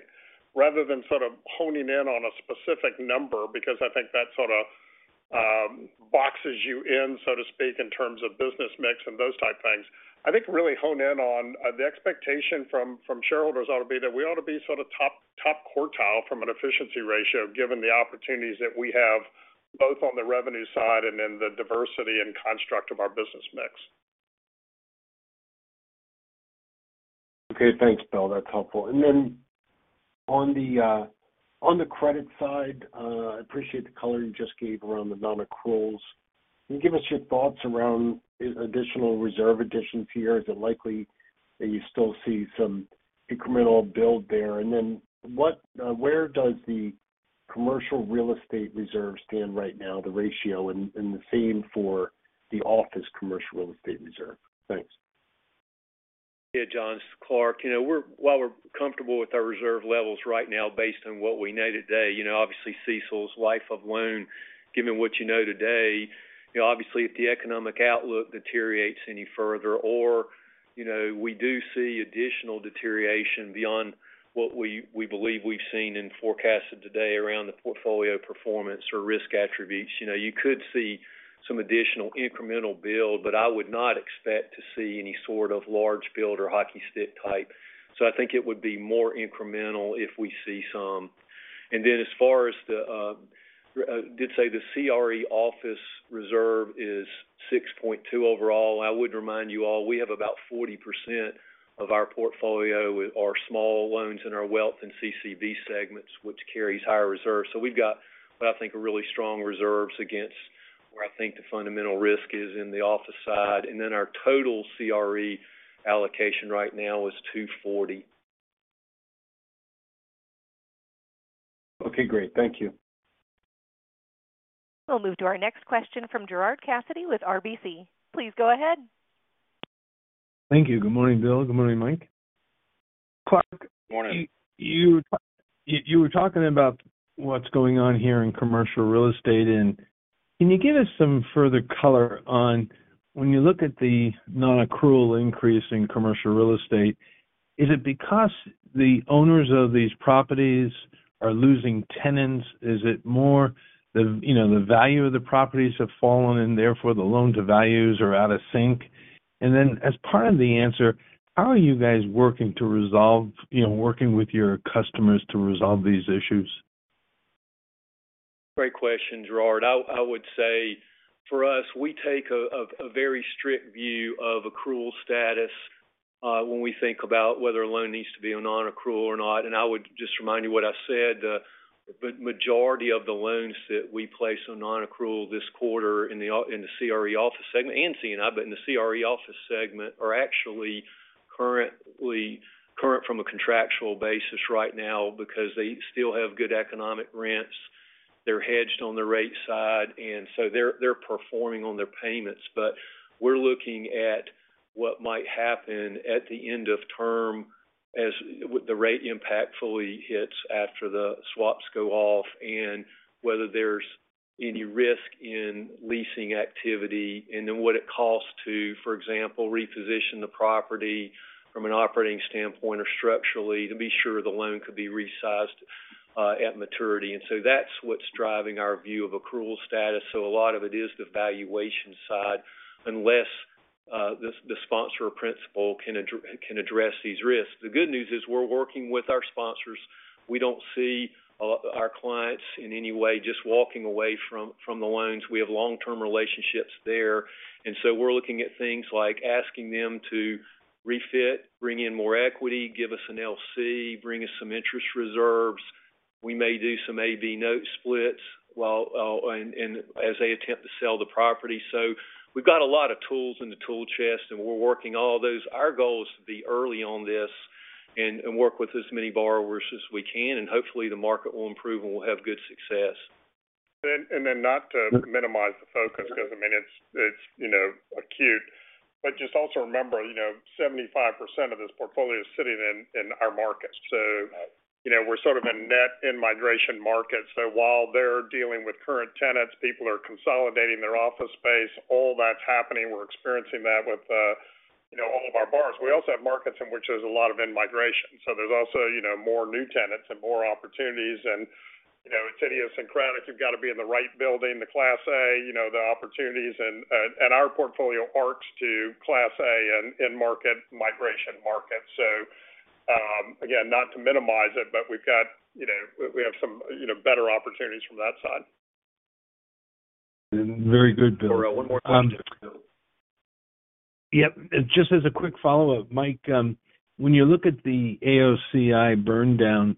rather than sort of honing in on a specific number, because I think that sort of-... boxes you in, so to speak, in terms of business mix and those type things. I think really hone in on the expectation from shareholders ought to be that we ought to be sort of top quartile from an efficiency ratio, given the opportunities that we have, both on the revenue side and in the diversity and construct of our business mix. Okay, thanks, Bill. That's helpful. Then on the on the credit side, I appreciate the color you just gave around the nonaccruals. Can you give us your thoughts around additional reserve additions here? Is it likely that you still see some incremental build there? And then where does the commercial real estate reserve stand right now, the ratio, and the same for the office commercial real estate reserve? Thanks. Yeah, John, this is Clarke. You know, while we're comfortable with our reserve levels right now based on what we know today, obviously, CECL's life of loan, given what today, obviously, if the economic outlook deteriorates any further or, we do see additional deterioration beyond what we believe we've seen and forecasted today around the portfolio performance or risk attributes, you could see some additional incremental build, but I would not expect to see any sort of large build or hockey stick type. I think it would be more incremental if we see some. As far as the did say the CRE office reserve is 6.2 overall. I would remind you all, we have about 40% of our portfolio are small loans in our wealth and CCB segments, which carries higher reserves. We've got what I think are really strong reserves against where I think the fundamental risk is in the office side. Our total CRE allocation right now is 240. Okay, great. Thank you. We'll move to our next question from Gerard Cassidy with RBC. Please go ahead. Thank you. Good morning, Bill. Good morning, Mike. Good morning. You were talking about what's going on here in commercial real estate. Can you give us some further color on when you look at the nonaccrual increase in commercial real estate, is it because the owners of these properties are losing tenants? Is it more the value of the properties have fallen and therefore the loan to values are out of sync? As part of the answer, how are you guys working to resolve, working with your customers to resolve these issues? Great question, Gerard. I would say for us, we take a very strict view of accrual status when we think about whether a loan needs to be a nonaccrual or not. I would just remind you what I said, the majority of the loans that we place on nonaccrual this quarter in the CRE office segment, C&I, but in the CRE office segment, are actually currently current from a contractual basis right now because they still have good economic rents. They're hedged on the rate side, so they're performing on their payments. We're looking at what might happen at the end of term as the rate impact fully hits after the swaps go off and whether there's any risk in leasing activity, and then what it costs to, for example, reposition the property from an operating standpoint or structurally to be sure the loan could be resized at maturity. That's what's driving our view of accrual status. A lot of it is the valuation side, unless the sponsor or principal can address these risks. The good news is we're working with our sponsors. We don't see our clients in any way just walking away from the loans. We have long-term relationships there, and so we're looking at things like asking them to refit, bring in more equity, give us an LC, bring us some interest reserves. We may do some A/B note splits while, and as they attempt to sell the property. We've got a lot of tools in the tool chest, and we're working all those. Our goal is to be early on this and work with as many borrowers as we can, and hopefully, the market will improve, and we'll have good success. Then not to minimize the focus, because, I mean, it's, acute. Just also remember, 75% of this portfolio is sitting in our market. We're sort of a net in-migration market. While they're dealing with current tenants, people are consolidating their office space, all that's happening, we're experiencing that with, all of our borrowers. We also have markets in which there's a lot of in-migration, so there's also, more new tenants and more opportunities. It's idiosyncratic. You've got to be in the right building, the Class A, the opportunities, and our portfolio arcs to Class A in-market migration markets. Again, not to minimize it, but we've got, we have some, better opportunities from that side. Very good, Bill. One more. Yep. Just as a quick follow-up, Mike, when you look at the AOCI burn down,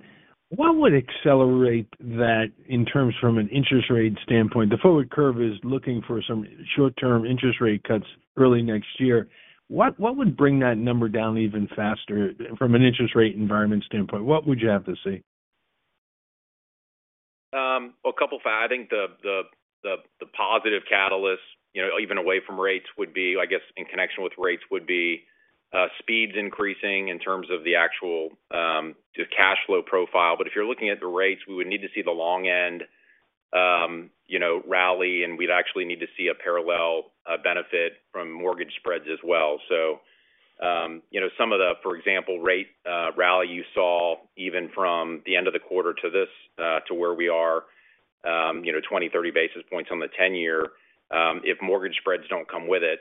what would accelerate that in terms from an interest rate standpoint? The forward curve is looking for some short-term interest rate cuts early next year. What would bring that number down even faster from an interest rate environment standpoint? What would you have to see? Well, a couple of things. I think the positive catalyst, even away from rates, would be, I guess, in connection with rates, would be speeds increasing in terms of the actual cash flow profile. If you're looking at the rates, we would need to see the long end, rally, and we'd actually need to see a parallel benefit from mortgage spreads as well. Some of the, for example, rate, rally you saw even from the end of the quarter to this, to where we are, 20, 30 basis points on the 10-year, if mortgage spreads don't come with it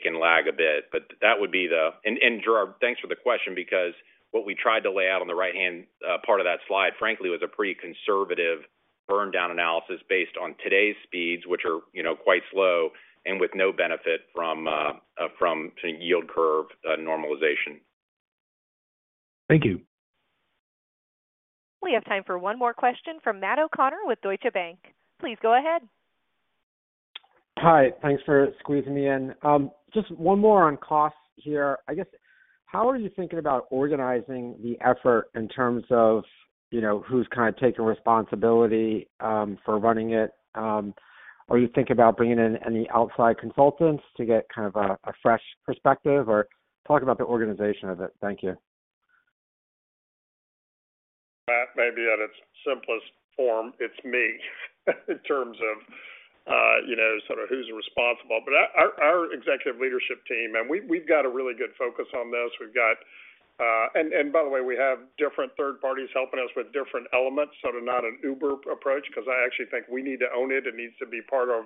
can lag a bit. Gerard, thanks for the question, because what we tried to lay out on the right-hand part of that slide, frankly, was a pretty conservative burn down analysis based on today's speeds, which are, youquite slow and with no benefit from yield curve normalization. Thank you. We have time for one more question from Matt O'Connor with Deutsche Bank. Please go ahead. Hi, thanks for squeezing me in. Just one more on costs here. I guess, how are you thinking about organizing the effort in terms of, you who's kind of taking responsibility, for running it? Are you thinking about bringing in any outside consultants to get kind of a fresh perspective, or talk about the organization of it? Thank you. Matt, maybe at its simplest form, it's me, in terms of, sort of who's responsible. Our, our executive leadership team, and we've got a really good focus on this. We've got, and by the way, we have different third parties helping us with different elements, so they're not an uber approach because I actually think we need to own it. It needs to be part of,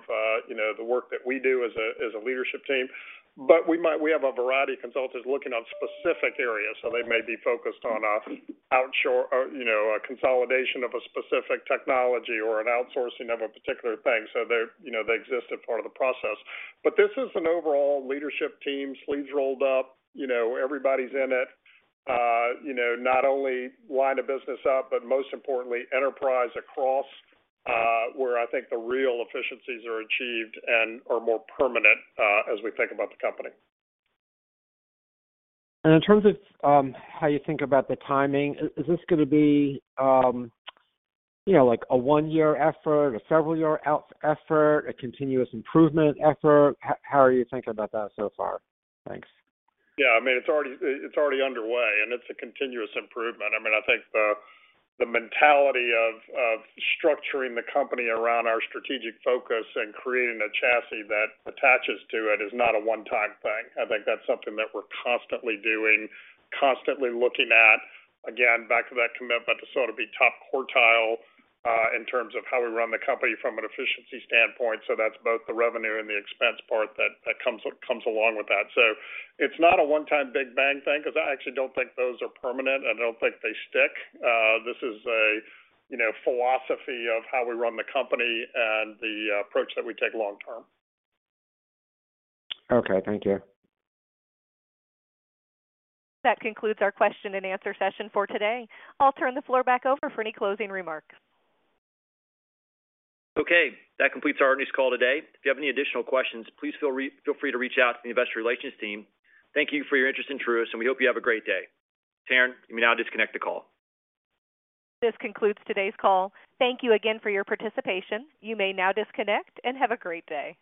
the work that we do as a, as a leadership team. We have a variety of consultants looking on specific areas, so they may be focused on a offshore o a consolidation of a specific technology or an outsourcing of a particular thing. They're, they exist as part of the process. This is an overall leadership team, sleeves rolled up, everybody's in it, not only line of business up, but most importantly, enterprise across, where I think the real efficiencies are achieved and are more permanent, as we think about the company. In terms of, how you think about the timing, is this going to be, like a one year effort, a several-year effort, a continuous improvement effort? How, how are you thinking about that so far? Thanks. Yeah, I mean, it's already underway. It's a continuous improvement. I mean, I think the mentality of structuring the company around our strategic focus and creating a chassis that attaches to it is not a one-time thing. I think that's something that we're constantly doing, constantly looking at. Again, back to that commitment to sort of be top quartile in terms of how we run the company from an efficiency standpoint. That's both the revenue and the expense part that comes along with that. It's not a one-time big bang thing because I actually don't think those are permanent, and I don't think they stick. This is a, philosophy of how we run the company and the approach that we take long term. Okay, thank you. That concludes our question and answer session for today. I'll turn the floor back over for any closing remarks. Okay. That completes our earnings call today. If you have any additional questions, please feel free to reach out to the investor relations team. Thank you for your interest in Truist, and we hope you have a great day. Karen, you may now disconnect the call. This concludes today's call. Thank you again for your participation. You may now disconnect and have a great day.